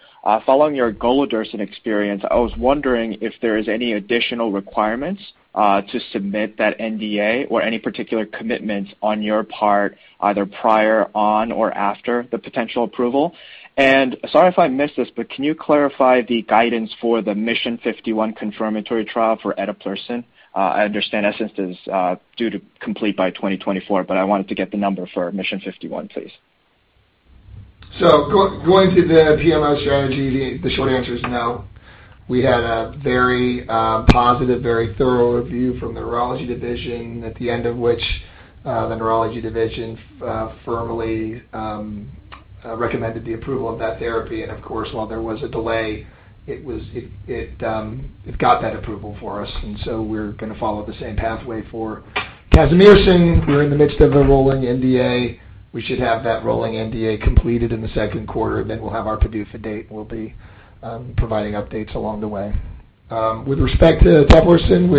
U: following your golodirsen experience, I was wondering if there is any additional requirements to submit that NDA or any particular commitments on your part, either prior on or after the potential approval. Sorry if I missed this, but can you clarify the guidance for the MIS51ON confirmatory trial for eteplirsen? I understand ESSENCE is due to complete by 2024, but I wanted to get the number for MIS51ON, please.
C: Going to the PML strategy, the short answer is no. We had a very positive, very thorough review from the Neurology Division, at the end of which the Neurology Division firmly recommended the approval of that therapy. Of course, while there was a delay, it got that approval for us. We're going to follow the same pathway for casimersen. We're in the midst of a rolling NDA. We should have that rolling NDA completed in the second quarter. We'll have our PDUFA date, and we'll be providing updates along the way. With respect to eteplirsen,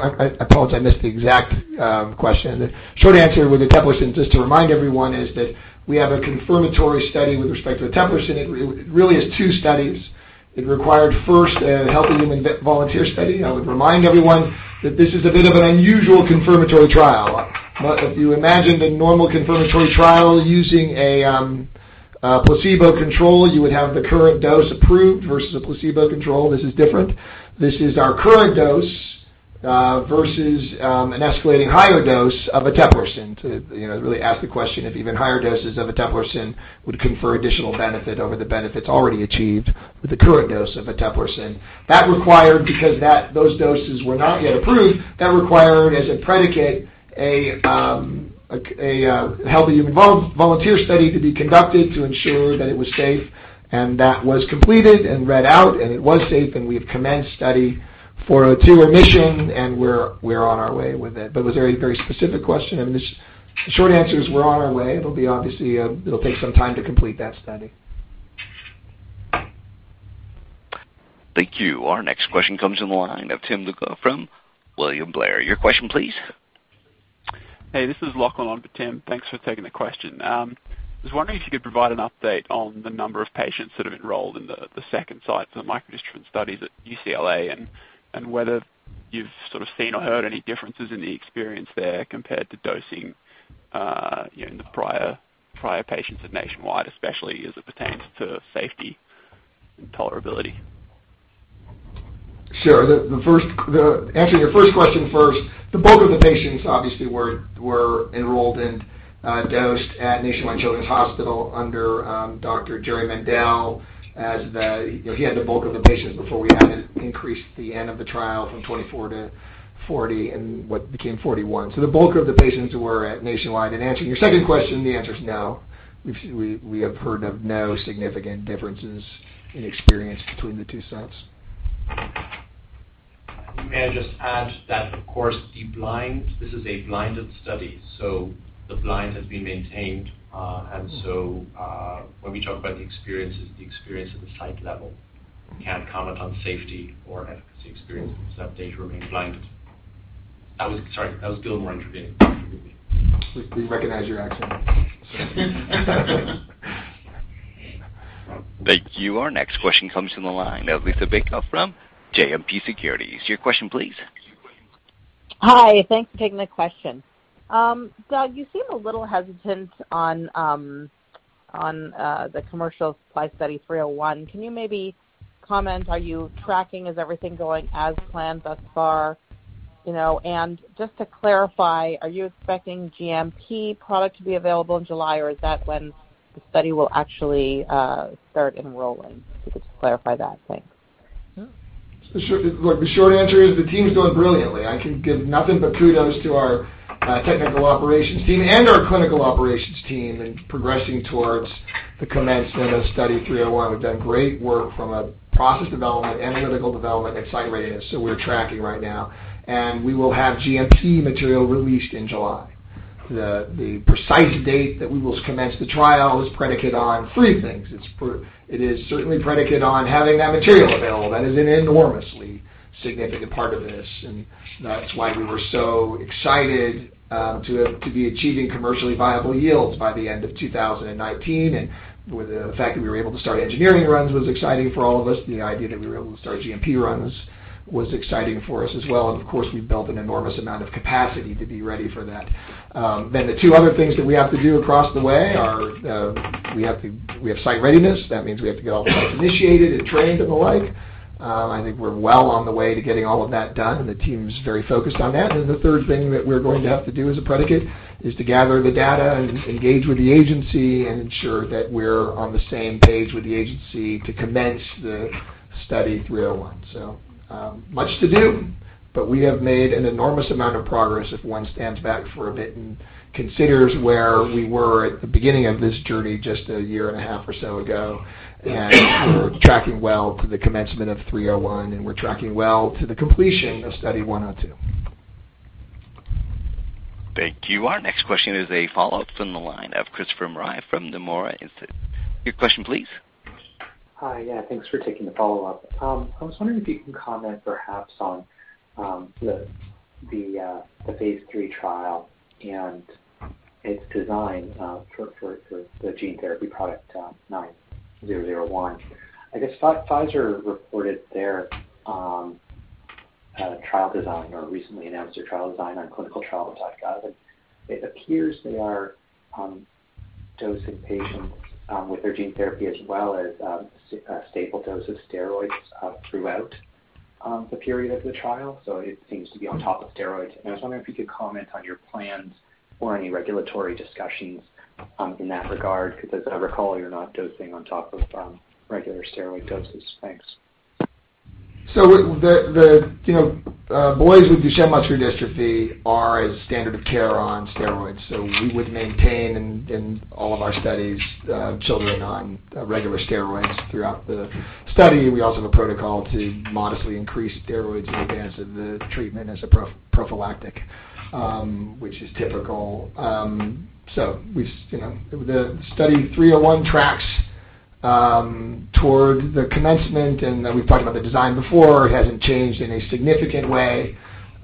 C: I apologize I missed the exact question. The short answer with eteplirsen, just to remind everyone, is that we have a confirmatory study with respect to eteplirsen. It really is two studies. It required, first, a healthy human volunteer study. I would remind everyone that this is a bit of an unusual confirmatory trial. If you imagine the normal confirmatory trial using a placebo control, you would have the current dose approved versus a placebo control. This is different. This is our current dose versus an escalating higher dose of eteplirsen to really ask the question if even higher doses of eteplirsen would confer additional benefit over the benefits already achieved with the current dose of eteplirsen. Those doses were not yet approved, that required, as a predicate, a healthy human volunteer study to be conducted to ensure that it was safe, and that was completed and read out, and it was safe, and we have commenced Study 402 admission, and we're on our way with it. It was a very specific question. I mean, the short answer is we're on our way. Obviously, it'll take some time to complete that study.
A: Thank you. Our next question comes on the line of Tim Dunn from William Blair. Your question, please.
V: Hey, this is Lachlan on for Tim. Thanks for taking the question. I was wondering if you could provide an update on the number of patients that have enrolled in the second site for the micro-dystrophin studies at UCLA, and whether you've sort of seen or heard any differences in the experience there compared to dosing in the prior patients at Nationwide, especially as it pertains to safety and tolerability.
C: Sure. Answering your first question first, the bulk of the patients obviously were enrolled and dosed at Nationwide Children's Hospital under Dr. Jerry Mendell. He had the bulk of the patients before we had increased the end of the trial from 24 to 40, and what became 41. The bulk of the patients were at Nationwide. Answering your second question, the answer is no. We have heard of no significant differences in experience between the two sites.
H: May I just add that, of course, this is a blinded study, so the blind has been maintained. When we talk about the experiences, the experience at the site level, we can't comment on safety or efficacy experiences. That data remains blind. Sorry, that was Gilmore intervening.
C: We recognize your accent.
A: Thank you. Our next question comes from the line of Liisa Bayko from JMP Securities. Your question, please.
W: Hi. Thanks for taking the question. Doug, you seem a little hesitant on the commercial supply Study 301. Can you maybe comment, are you tracking, is everything going as planned thus far? Just to clarify, are you expecting GMP product to be available in July, or is that when the Study will actually start enrolling? If you could just clarify that. Thanks.
C: Look, the short answer is the team's doing brilliantly. I can give nothing but kudos to our technical operations team and our clinical operations team in progressing towards the commencement of Study 301. We've done great work from a process development, analytical development, and site readiness. We're tracking right now, and we will have GMP material released in July. The precise date that we will commence the trial is predicated on three things. It is certainly predicated on having that material available. That is an enormously significant part of this, and that's why we were so excited to be achieving commercially viable yields by the end of 2019. The fact that we were able to start engineering runs was exciting for all of us. The idea that we were able to start GMP runs was exciting for us as well. Of course, we've built an enormous amount of capacity to be ready for that. The two other things that we have to do across the way are we have site readiness. That means we have to get all the sites initiated and trained and the like. I think we're well on the way to getting all of that done, and the team's very focused on that. The third thing that we're going to have to do as a predicate is to gather the data and engage with the agency and ensure that we're on the same page with the agency to commence the Study 301. Much to do, but we have made an enormous amount of progress if one stands back for a bit and considers where we were at the beginning of this journey just a year and a half or so ago. We're tracking well to the commencement of 301, and we're tracking well to the completion of Study 102.
A: Thank you. Our next question is a follow-up from the line of Christopher Marai from Nomura Institute. Your question, please.
J: Hi. Yeah, thanks for taking the follow-up. I was wondering if you can comment perhaps on the phase III trial and its design for the gene therapy product SRP-9001. I guess Pfizer reported their trial design, or recently announced their trial design on clinicaltrials.gov, and it appears they are dosing patients with their gene therapy as well as a staple dose of steroids throughout The period of the trial, it seems to be on top of steroids. I was wondering if you could comment on your plans or any regulatory discussions in that regard, because as I recall, you are not dosing on top of regular steroid doses. Thanks.
C: The boys with Duchenne muscular dystrophy are standard of care on steroids. We also have a protocol to modestly increase steroids in advance of the treatment as a prophylactic, which is typical. The Study 301 tracks toward the commencement, and we've talked about the design before. It hasn't changed in a significant way.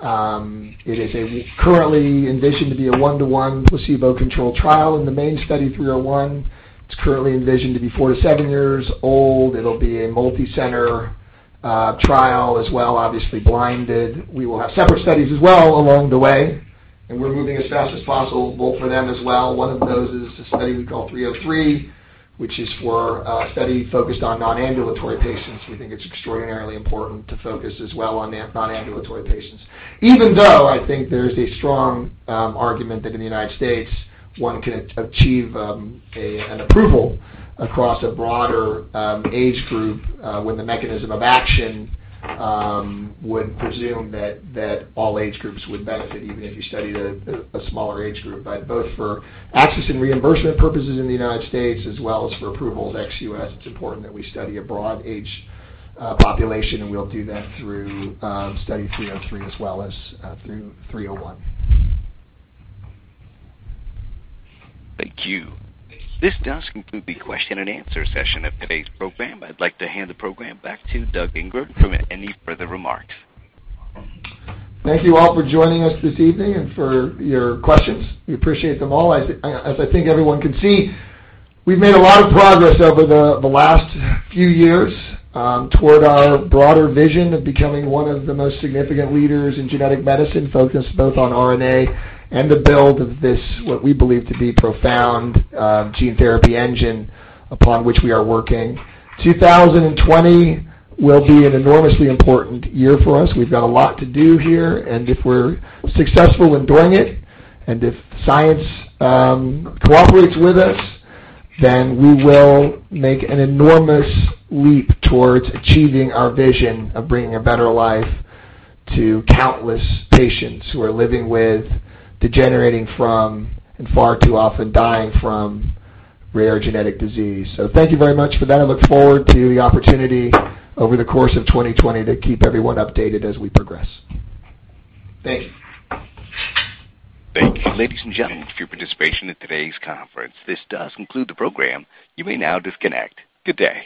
C: It is currently envisioned to be a one-to-one placebo-controlled trial in the main Study 301. It's currently envisioned to be four to seven years old. It'll be a multi-center trial as well, obviously blinded. We will have separate studies as well along the way, and we're moving as fast as possible both for them as well. One of those is a Study 303, which is for a study focused on non-ambulatory patients. We think it's extraordinarily important to focus as well on non-ambulatory patients. Even though I think there's a strong argument that in the U.S., one can achieve an approval across a broader age group when the mechanism of action would presume that all age groups would benefit, even if you studied a smaller age group. Both for access and reimbursement purposes in the U.S., as well as for approval of ex-U.S., it's important that we study a broad age population, and we'll do that through Study 303 as well as through 301.
A: Thank you. This does conclude the question and answer session of today's program. I'd like to hand the program back to Doug Ingram for any further remarks.
C: Thank you all for joining us this evening and for your questions. We appreciate them all. I think everyone can see, we've made a lot of progress over the last few years toward our broader vision of becoming one of the most significant leaders in genetic medicine, focused both on RNA and the build of this, what we believe to be profound gene therapy engine upon which we are working. 2020 will be an enormously important year for us. We've got a lot to do here, and if we're successful in doing it, and if science cooperates with us, then we will make an enormous leap towards achieving our vision of bringing a better life to countless patients who are living with, degenerating from, and far too often dying from, rare genetic disease. Thank you very much for that. I look forward to the opportunity over the course of 2020 to keep everyone updated as we progress. Thank you.
A: Thank you, ladies and gentlemen, for your participation in today's conference. This does conclude the program. You may now disconnect. Good day.